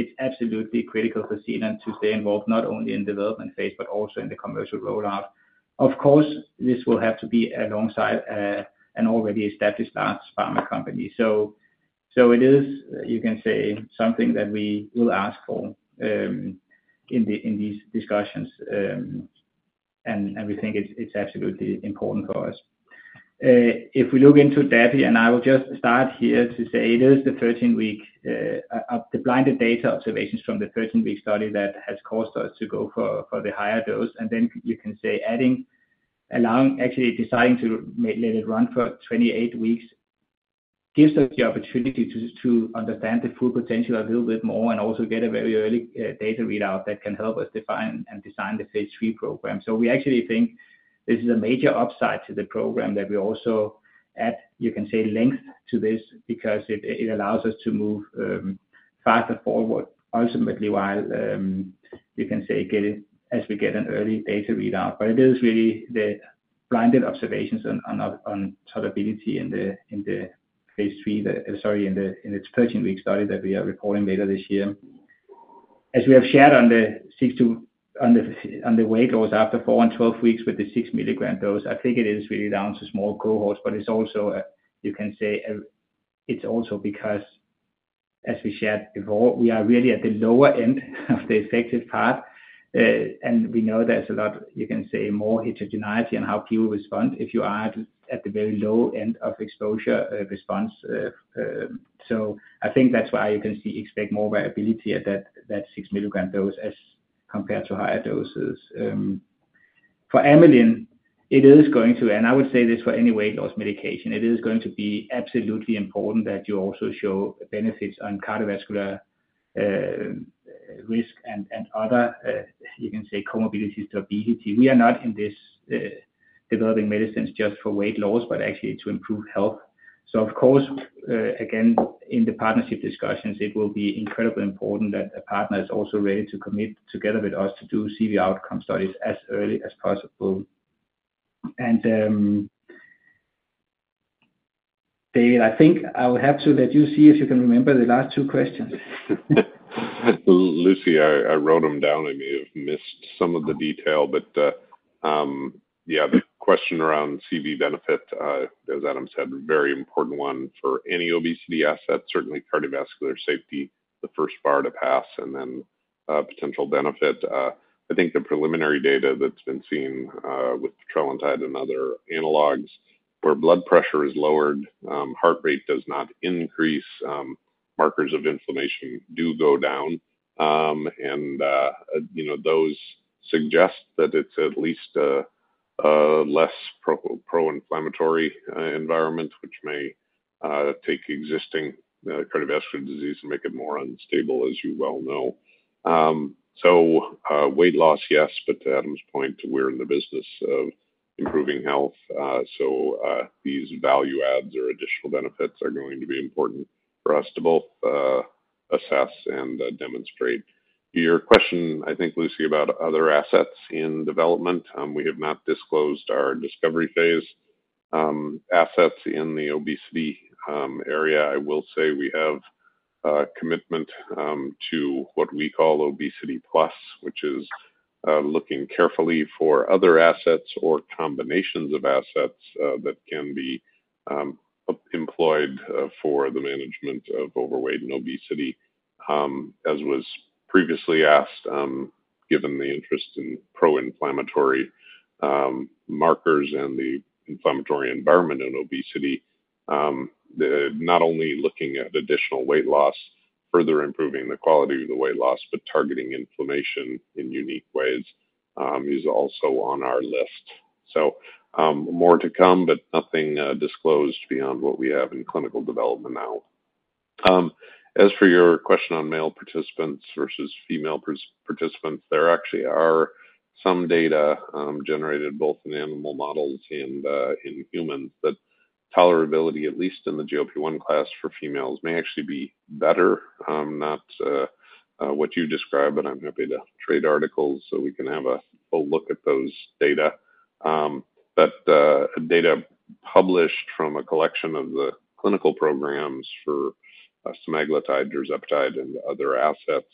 it's absolutely critical for Zealand to stay involved, not only in development phase, but also in the commercial rollout. Of course, this will have to be alongside an already established pharma company. So it is, you can say, something that we will ask for in these discussions, and we think it's absolutely important for us. If we look into dapiglutide, and I will just start here to say it is the 13-week, the blinded data observations from the 13-week study that has caused us to go for, for the higher dose. And then you can say, adding, allowing, actually deciding to let it run for 28 weeks, gives us the opportunity to, to understand the full potential a little bit more and also get a very early, data readout that can help us define and design the phase III program. So we actually think this is a major upside to the program that we also add, you can say, length to this because it, it allows us to move, faster forward ultimately, while, you can say get it as we get an early data readout. But it is really the blinded observations on tolerability in the phase III 13-week study that we are reporting later this year. As we have shared on the weight loss after 4 and 12 weeks with the 6 mg dose, I think it is really down to small cohorts, but it's also, you can say, because, as we shared before, we are really at the lower end of the effective part, and we know there's a lot, you can say, more heterogeneity on how people respond if you are at the very low end of exposure response. So I think that's why you can expect more variability at that 6 mg dose as compared to higher doses. For amylin, it is going to, and I would say this for any weight loss medication, it is going to be absolutely important that you also show benefits on cardiovascular risk and other, you can say, comorbidities, obesity. We are not in this developing medicines just for weight loss, but actually to improve health. So of course, again, in the partnership discussions, it will be incredibly important that the partner is also ready to commit together with us to do CV outcome studies as early as possible. And, David, I think I will have to let you see if you can remember the last two questions. Lucy, I wrote them down. I may have missed some of the detail, but yeah, the question around CV benefit, as Adam said, very important one for any obesity asset, certainly cardiovascular safety, the first bar to pass, and then potential benefit. I think the preliminary data that's been seen with tirzepatide and other analogs, where blood pressure is lowered, heart rate does not increase, markers of inflammation do go down. And, you know, those suggest that it's at least less pro-inflammatory environment, which may take existing cardiovascular disease and make it more unstable, as you well know. So, weight loss, yes, but to Adam's point, we're in the business of improving health. So, these value adds or additional benefits are going to be important for us to both assess and demonstrate. Your question, I think, Lucy, about other assets in development, we have not disclosed our discovery phase. Assets in the obesity area, I will say we have commitment to what we call obesity plus, which is looking carefully for other assets or combinations of assets that can be employed for the management of overweight and obesity. As was previously asked, given the interest in pro-inflammatory markers and the inflammatory environment in obesity, not only looking at additional weight loss, further improving the quality of the weight loss, but targeting inflammation in unique ways, is also on our list. So, more to come, but nothing disclosed beyond what we have in clinical development now. As for your question on male participants versus female participants, there actually are some data generated, both in animal models and in humans, that tolerability, at least in the GLP-1 class for females, may actually be better. Not what you describe, but I'm happy to trade articles so we can have a full look at those data. But data published from a collection of the clinical programs for semaglutide, tirzepatide, and other assets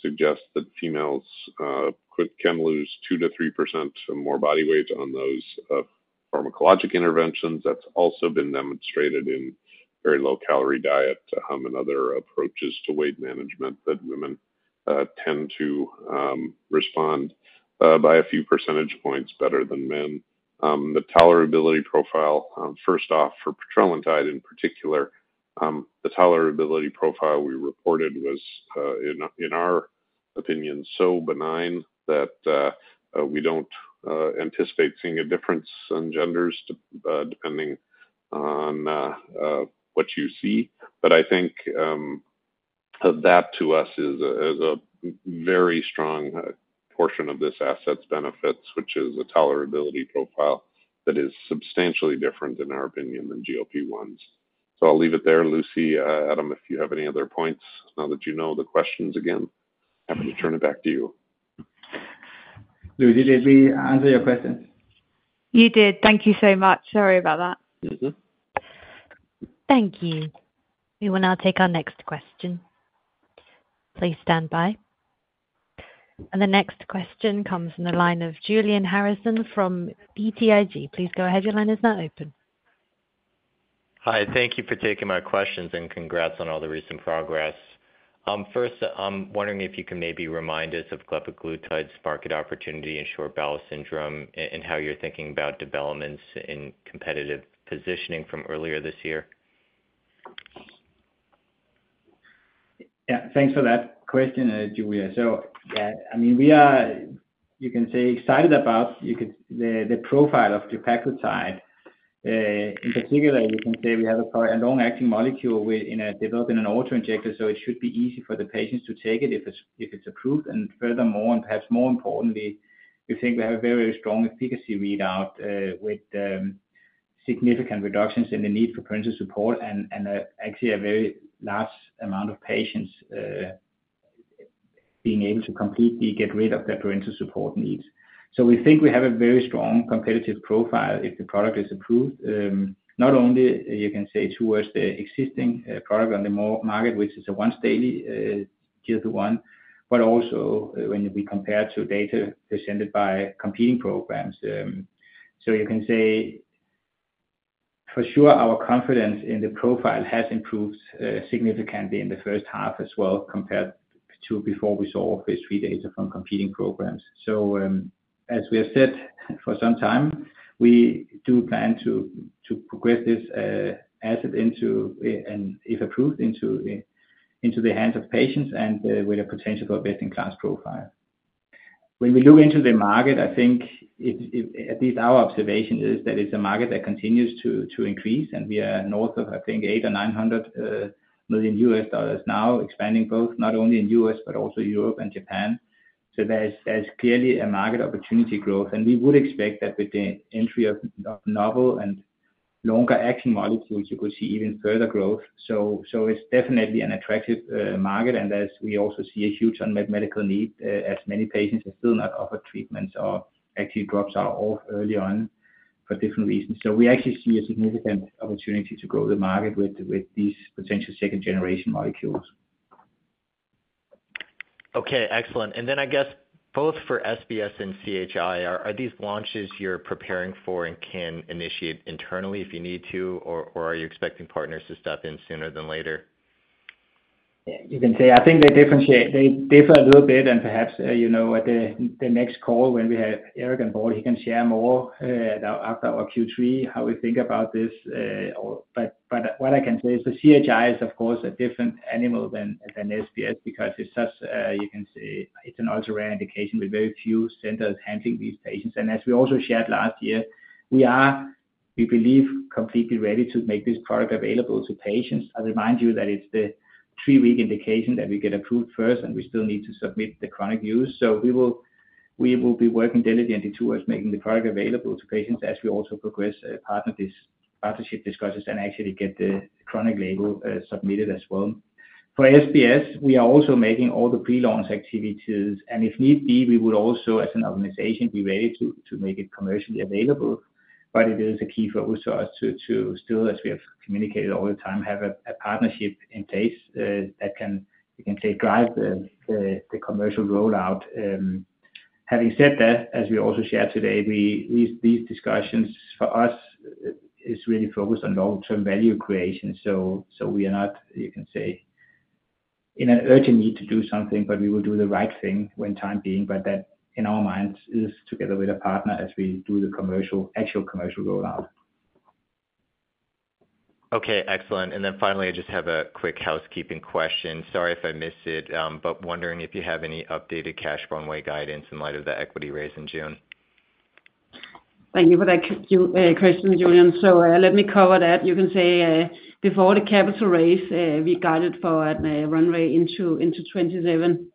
suggest that females can lose 2%-3% or more body weight on those pharmacologic interventions. That's also been demonstrated in very low-calorie diet and other approaches to weight management, that women tend to respond by a few percentage points better than men. The tolerability profile, first off, for petrelintide in particular, the tolerability profile we reported was, in our opinion, so benign that we don't anticipate seeing a difference in genders, depending on what you see. But I think that to us is a very strong portion of this asset's benefits, which is a tolerability profile that is substantially different, in our opinion, than GLP-1s. So I'll leave it there, Lucy. Adam, if you have any other points now that you know the questions again, happy to turn it back to you. Lucy, did we answer your question? You did. Thank you so much. Sorry about that. Mm-hmm. Thank you. We will now take our next question. Please stand by. The next question comes from the line of Julian Harrison from BTIG. Please go ahead, your line is now open. Hi, thank you for taking my questions, and congrats on all the recent progress. First, I'm wondering if you can maybe remind us of glepaglutide's market opportunity in short bowel syndrome, and how you're thinking about developments in competitive positioning from earlier this year? Yeah, thanks for that question, Julian. So, I mean, we are, you can say, excited about the profile of glepaglutide. In particular, you can say we have a long-acting molecule with, in a, developed in an auto-injector, so it should be easy for the patients to take it if it's approved. And furthermore, and perhaps more importantly, we think we have a very strong efficacy readout with significant reductions in the need for parenteral support and actually a very large amount of patients being able to completely get rid of their parenteral support needs. So we think we have a very strong competitive profile if the product is approved, not only you can say towards the existing product on the market, which is a once-daily tier one, but also when we compare to data presented by competing programs. So you can say for sure, our confidence in the profile has improved significantly in the first half as well, compared to before we saw phase III data from competing programs. So, as we have said for some time, we do plan to progress this asset into, and if approved, into the hands of patients and with a potential best-in-class profile. When we look into the market, I think at least our observation is that it's a market that continues to increase, and we are north of, I think, $800-$900 million now, expanding both not only in U.S. but also Europe and Japan. So there's clearly a market opportunity growth, and we would expect that with the entry of novel and longer-acting molecules, you could see even further growth. So it's definitely an attractive market, and as we also see a huge unmet medical need, as many patients are still not offered treatments or actually drop out of early on for different reasons. So we actually see a significant opportunity to grow the market with these potential second-generation molecules. Okay, excellent. Then I guess both for SBS and CHI, are these launches you're preparing for and can initiate internally if you need to, or are you expecting partners to step in sooner than later. You can say, I think they differentiate. They differ a little bit and perhaps, you know, at the next call when we have Eric on board, he can share more after our Q3, how we think about this, or but what I can say is the CHI is, of course, a different animal than SBS because it's such a, you can say, it's an ultra-rare indication with very few centers handling these patients. And as we also shared last year, we are, we believe, completely ready to make this product available to patients. I'll remind you that it's the three-week indication that we get approved first, and we still need to submit the chronic use. So we will, we will be working diligently towards making the product available to patients as we also progress partnership discussions and actually get the chronic label submitted as well. For SBS, we are also making all the pre-launch activities, and if need be, we would also, as an organization, be ready to make it commercially available. But it is a key focus to us to still, as we have communicated all the time, have a partnership in place that can, you can say, drive the commercial rollout. Having said that, as we also shared today, these discussions for us is really focused on long-term value creation. So, we are not, you can say, in an urgent need to do something, but we will do the right thing when time being, but that, in our minds, is together with a partner as we do the commercial, actual commercial rollout. Okay, excellent. And then finally, I just have a quick housekeeping question. Sorry if I missed it, but wondering if you have any updated cash runway guidance in light of the equity raise in June? Thank you for that question, Julian. So, let me cover that. You can say, before the capital raise, we guided for a runway into 2027,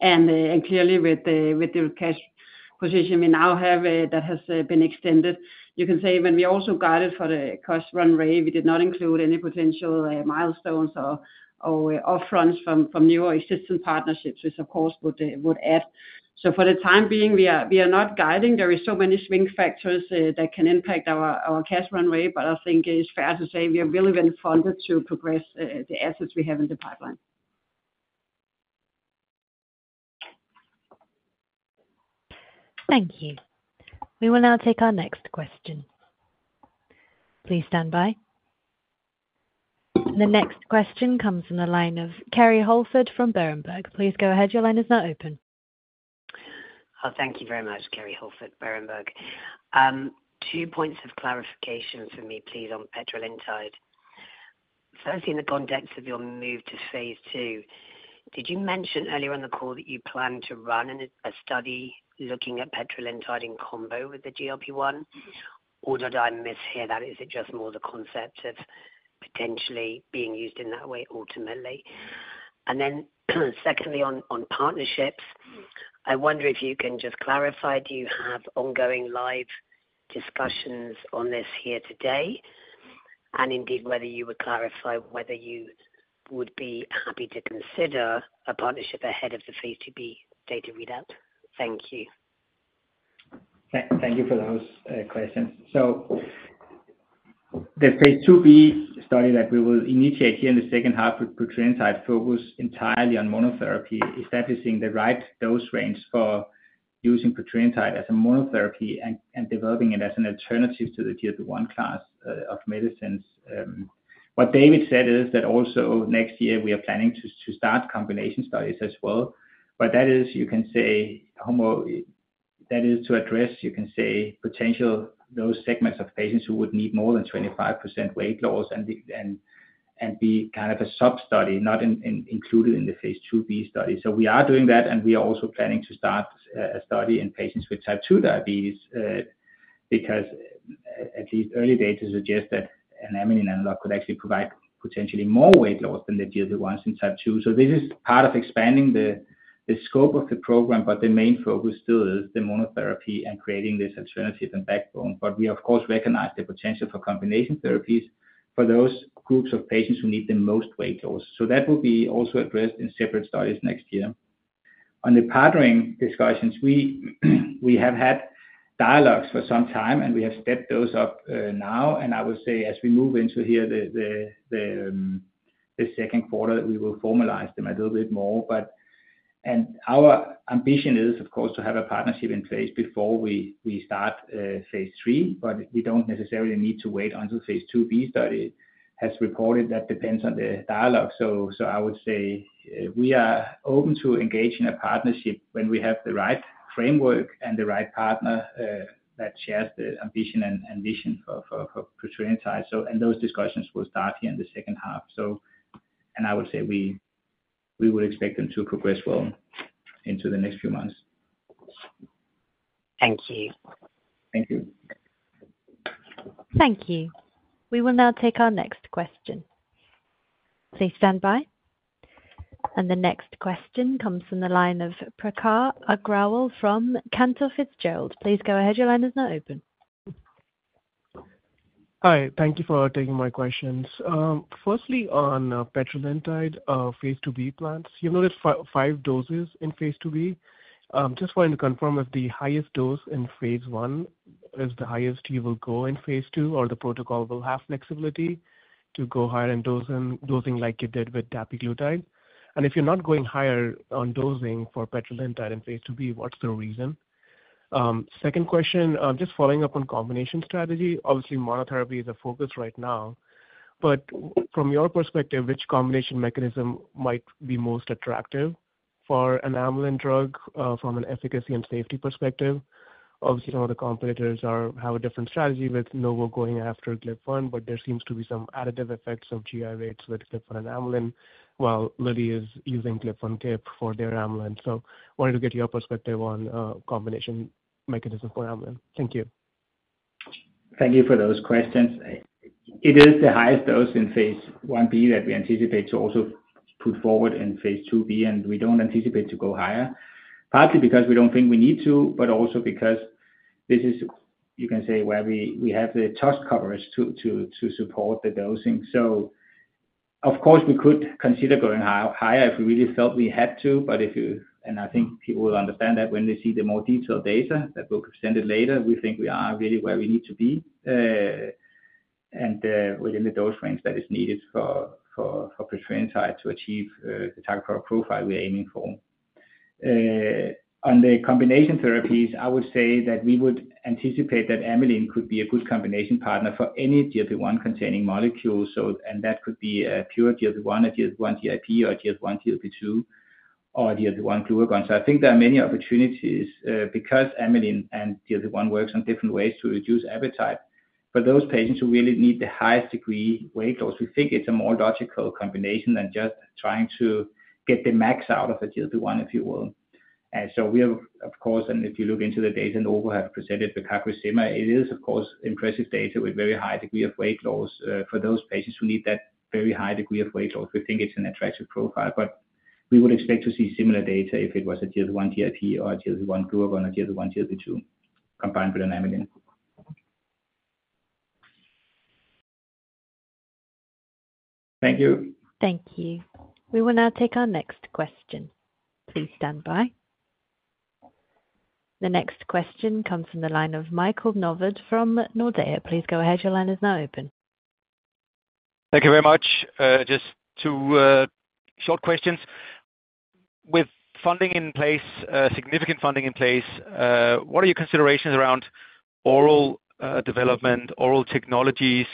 and clearly with the cash position we now have, that has been extended. You can say when we also guided for the cost runway, we did not include any potential milestones or upfront from new or existing partnerships, which of course would add. So for the time being, we are not guiding. There are so many swing factors that can impact our cash runway, but I think it's fair to say we are well-funded to progress the assets we have in the pipeline. Thank you. We will now take our next question. Please stand by. The next question comes from the line of Kerry Holford from Berenberg. Please go ahead. Your line is now open. Thank you very much, Kerry Holford, Berenberg. Two points of clarification for me, please, on petrelintide. First, in the context of your move to phase II, did you mention earlier on the call that you plan to run a study looking at petrelintide in combo with the GLP-1? Or did I mishear that? Is it just more the concept of potentially being used in that way, ultimately? And then, secondly, on partnerships, I wonder if you can just clarify, do you have ongoing live discussions on this here today? And indeed, whether you would clarify whether you would be happy to consider a partnership ahead of the phase II-B data readout. Thank you. Thank you for those questions. So the phase II-B study that we will initiate here in the second half with petrelintide focus entirely on monotherapy, establishing the right dose range for using petrelintide as a monotherapy and developing it as an alternative to the GLP-1 class of medicines. What David said is that also next year, we are planning to start combination studies as well. But that is, you can say, homo-- that is to address, you can say, potential those segments of patients who would need more than 25% weight loss and be kind of a sub-study, not included in the phase II-B study. So we are doing that, and we are also planning to start a study in patients with type 2 diabetes, because at least early data suggests that an amylin analog could actually provide potentially more weight loss than the GLP-1 in type 2. So this is part of expanding the scope of the program, but the main focus still is the monotherapy and creating this alternative and backbone. But we, of course, recognize the potential for combination therapies for those groups of patients who need the most weight loss. So that will be also addressed in separate studies next year. On the partnering discussions, we have had dialogues for some time, and we have stepped those up, now. And I would say as we move into here, the second quarter, we will formalize them a little bit more. But... Our ambition is, of course, to have a partnership in place before we start phase III, but we don't necessarily need to wait until phase II-B study has reported. That depends on the dialogue. So, I would say, we are open to engaging a partnership when we have the right framework and the right partner that shares the ambition and vision for petrelintide. So, those discussions will start here in the second half. So, I would say we would expect them to progress well into the next few months. Thank you. Thank you. Thank you. We will now take our next question. Please stand by. The next question comes from the line of Prakhar Agrawal from Cantor Fitzgerald. Please go ahead. Your line is now open. Hi, thank you for taking my questions. Firstly, on petrelintide, phase II-B plans. You noted five doses in phase II-B. Just wanting to confirm if the highest dose in phase I is the highest you will go in phase II, or the protocol will have flexibility to go higher in dosing, dosing like you did with dapiglutide? And if you're not going higher on dosing for petrelintide in phase II-B, what's the reason? Second question, just following up on combination strategy. Obviously, monotherapy is a focus right now, but from your perspective, which combination mechanism might be most attractive for an amylin drug, from an efficacy and safety perspective? Obviously, some of the competitors have a different strategy, with Novo going after GLP-1, but there seems to be some additive effects of GLP-1s with GLP-1 and amylin, while Lilly is using GLP-1/GIP for their amylin. So wanted to get your perspective on, combination mechanism for amylin. Thank you. Thank you for those questions. It is the highest dose in phase I-B that we anticipate to also put forward in phase II-B, and we don't anticipate to go higher. Partly because we don't think we need to, but also because this is, you can say, where we have the touch coverage to support the dosing. So of course, we could consider going higher if we really felt we had to, but, and I think people will understand that when they see the more detailed data that we'll present later, we think we are really where we need to be, and within the dose range that is needed for petrelintide to achieve the type of profile we're aiming for. On the combination therapies, I would say that we would anticipate that amylin could be a good combination partner for any GLP-1 containing molecules, so, and that could be a pure GLP-1, a GLP-1/GIP, or a GLP-1/GLP-2, or a GLP-1/glucagon. So I think there are many opportunities, because amylin and GLP-1 works on different ways to reduce appetite. For those patients who really need the highest degree weight loss, we think it's a more logical combination than just trying to get the max out of a GLP-1, if you will. And so we have, of course, and if you look into the data, and Novo have presented the cagrilintide, it is, of course, impressive data with very high degree of weight loss. For those patients who need that very high degree of weight loss, we think it's an attractive profile. But we would expect to see similar data if it was a GLP-1/GIP or a GLP-1/glucagon or GLP-1/GLP-2, combined with an amylin. Thank you. Thank you. We will now take our next question. Please stand by. The next question comes from the line of Michael Novod from Nordea. Please go ahead, your line is now open. Thank you very much. Just two short questions. With funding in place, significant funding in place, what are your considerations around oral development, oral technologies?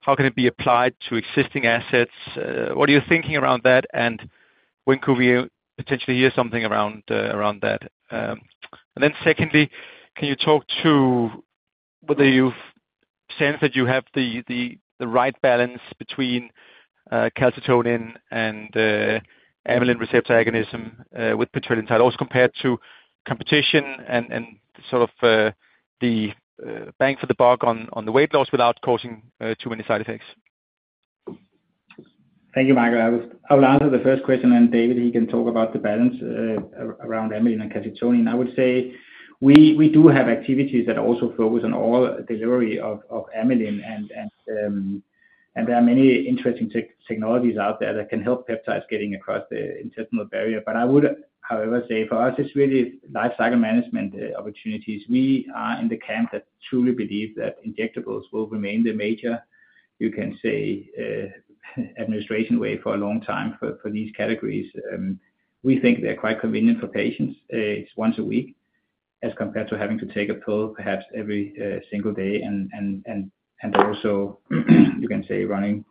How can it be applied to existing assets? What are you thinking around that, and when could we potentially hear something around that? And then secondly, can you talk to whether you've sensed that you have the right balance between calcitonin and the amylin receptor agonism with petrelintide, also compared to competition and sort of the bang for the buck on the weight loss without causing too many side effects? Thank you, Michael. I will answer the first question, and David can talk about the balance around amylin and calcitonin. I would say we do have activities that also focus on oral delivery of amylin. And there are many interesting technologies out there that can help peptides getting across the intestinal barrier. But I would, however, say for us, it's really lifecycle management opportunities. We are in the camp that truly believe that injectables will remain the major, you can say, administration way for a long time for these categories. We think they're quite convenient for patients. It's once a week, as compared to having to take a pill, perhaps every single day. And also, you can say, avoiding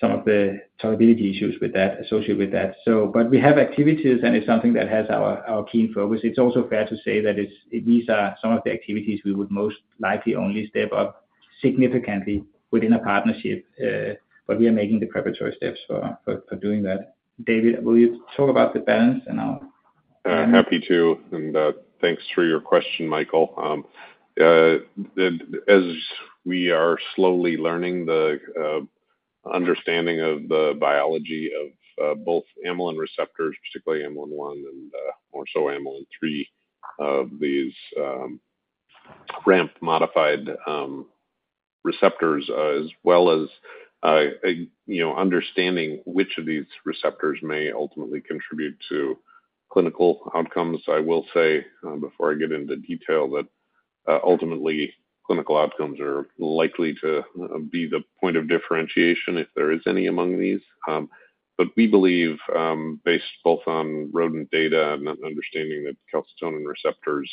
some of the tolerability issues associated with that. So but we have activities, and it's something that has our keen focus. It's also fair to say that it's—these are some of the activities we would most likely only step up significantly within a partnership, but we are making the preparatory steps for doing that. David, will you talk about the balance and our- Happy to, and thanks for your question, Michael. As we are slowly learning the understanding of the biology of both amylin receptors, particularly amylin 1 and more so amylin 3, of these RAMP-modified receptors, as well as you know, understanding which of these receptors may ultimately contribute to clinical outcomes. I will say, before I get into detail, that ultimately, clinical outcomes are likely to be the point of differentiation, if there is any among these. But we believe, based both on rodent data and understanding that calcitonin receptors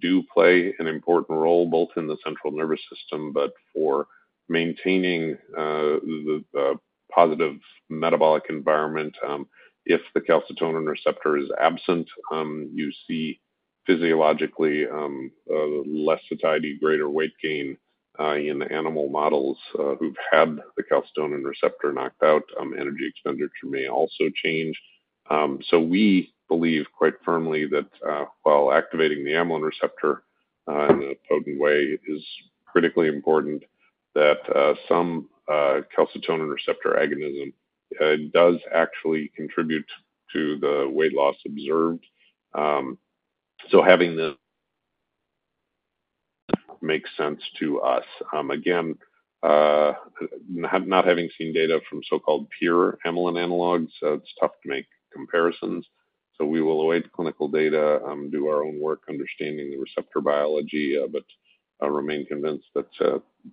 do play an important role, both in the central nervous system, but for maintaining the positive metabolic environment. If the calcitonin receptor is absent, you see physiologically, less satiety, greater weight gain, in the animal models, who've had the calcitonin receptor knocked out, energy expenditure may also change. So we believe quite firmly that, while activating the amylin receptor, in a potent way is critically important, that, some, calcitonin receptor agonism, does actually contribute to the weight loss observed. So having the makes sense to us. Again, not, not having seen data from so-called pure amylin analogs, so it's tough to make comparisons. So we will await the clinical data, do our own work understanding the receptor biology, but I remain convinced that,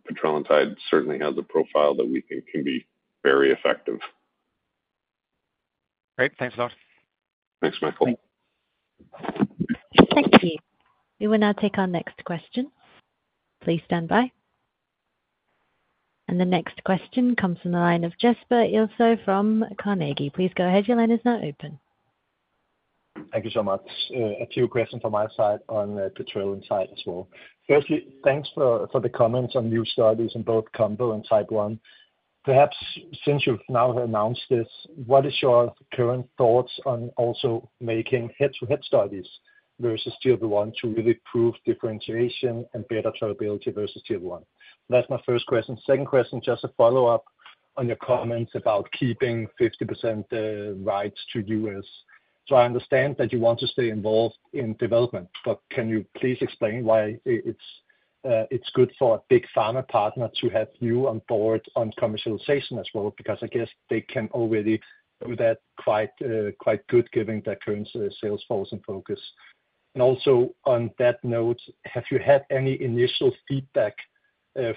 petrelintide certainly has a profile that we think can be very effective. Great. Thanks a lot. Thanks, Michael. Thank you. We will now take our next question. Please stand by. The next question comes from the line of Jesper Ilsøe from Carnegie. Please go ahead. Your line is now open. Thank you so much. A few questions from my side on the petrelintide as well. Firstly, thanks for the comments on new studies in both combo and type 1. Perhaps since you've now announced this, what is your current thoughts on also making head-to-head studies versus GLP-1 to really prove differentiation and better tolerability versus GLP-1? That's my first question. Second question, just a follow-up on your comments about keeping 50% rights to US. So I understand that you want to stay involved in development, but can you please explain why it's good for a big pharma partner to have you on board on commercialization as well? Because I guess they can already do that quite good, given their current sales force and focus. And also on that note, have you had any initial feedback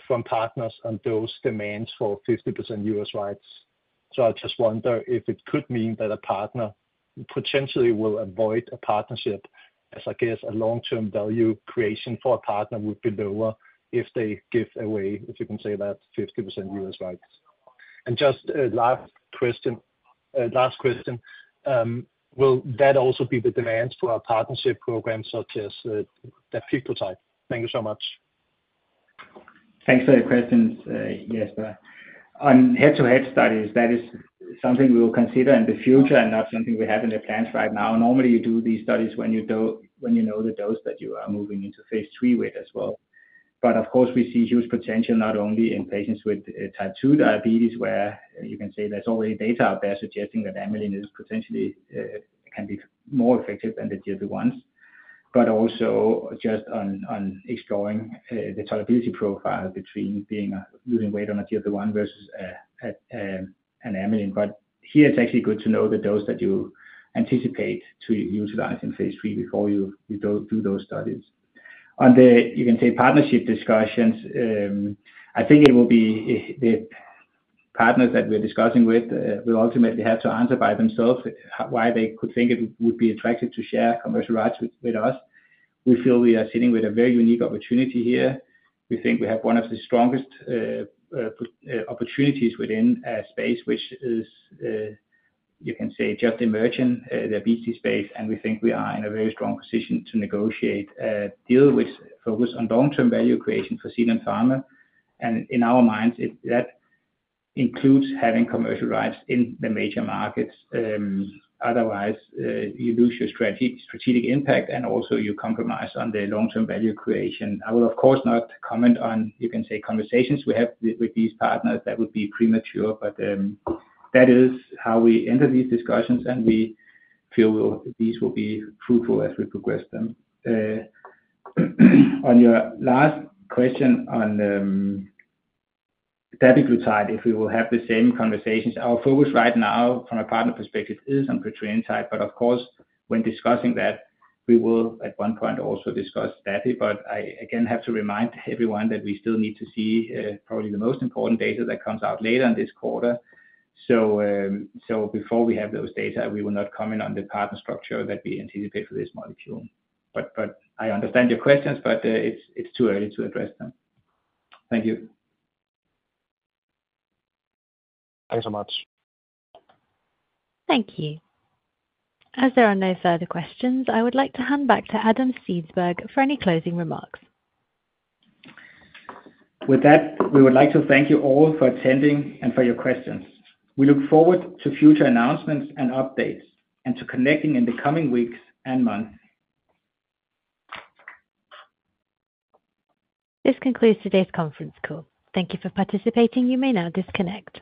from partners on those demands for 50% U.S. rights? So I just wonder if it could mean that a partner potentially will avoid a partnership, as I guess a long-term value creation for a partner would be lower if they give away, if you can say that, 50% U.S. rights. And just a last question, last question, will that also be the demands for our partnership program, such as the glepaglutide? Thank you so much. Thanks for your questions, Jesper. On head-to-head studies, that is something we will consider in the future and not something we have in the plans right now. Normally, you do these studies when you know the dose that you are moving into phase III with as well. But of course, we see huge potential, not only in patients with type 2 diabetes, where you can say there's already data out there suggesting that amylin is potentially can be more effective than the GLP-1s, but also just on exploring the tolerability profile between being losing weight on a GLP-1 versus an amylin. But here, it's actually good to know the dose that you anticipate to utilize in phase III before you go do those studies. On the, you can say, partnership discussions, I think it will be the partners that we're discussing with will ultimately have to answer by themselves why they could think it would be attractive to share commercial rights with, with us. We feel we are sitting with a very unique opportunity here. We think we have one of the strongest opportunities within a space, which is, you can say, just emerging, the obesity space, and we think we are in a very strong position to negotiate a deal which focused on long-term value creation for Zealand Pharma. And in our minds, it that includes having commercial rights in the major markets. Otherwise, you lose your strategic impact, and also you compromise on the long-term value creation. I will, of course, not comment on, you can say, conversations we have with these partners. That would be premature, but that is how we enter these discussions, and we feel these will be fruitful as we progress them. On your last question on dapiglutide, if we will have the same conversations, our focus right now from a partner perspective is on petrelintide. But of course, when discussing that, we will at one point also discuss that. But I again have to remind everyone that we still need to see probably the most important data that comes out later in this quarter. So before we have those data, we will not comment on the partner structure that we anticipate for this molecule. But I understand your questions, but it's too early to address them. Thank you. Thanks so much. Thank you. As there are no further questions, I would like to hand back to Adam Steensberg for any closing remarks. With that, we would like to thank you all for attending and for your questions. We look forward to future announcements and updates, and to connecting in the coming weeks and months. This concludes today's conference call. Thank you for participating. You may now disconnect.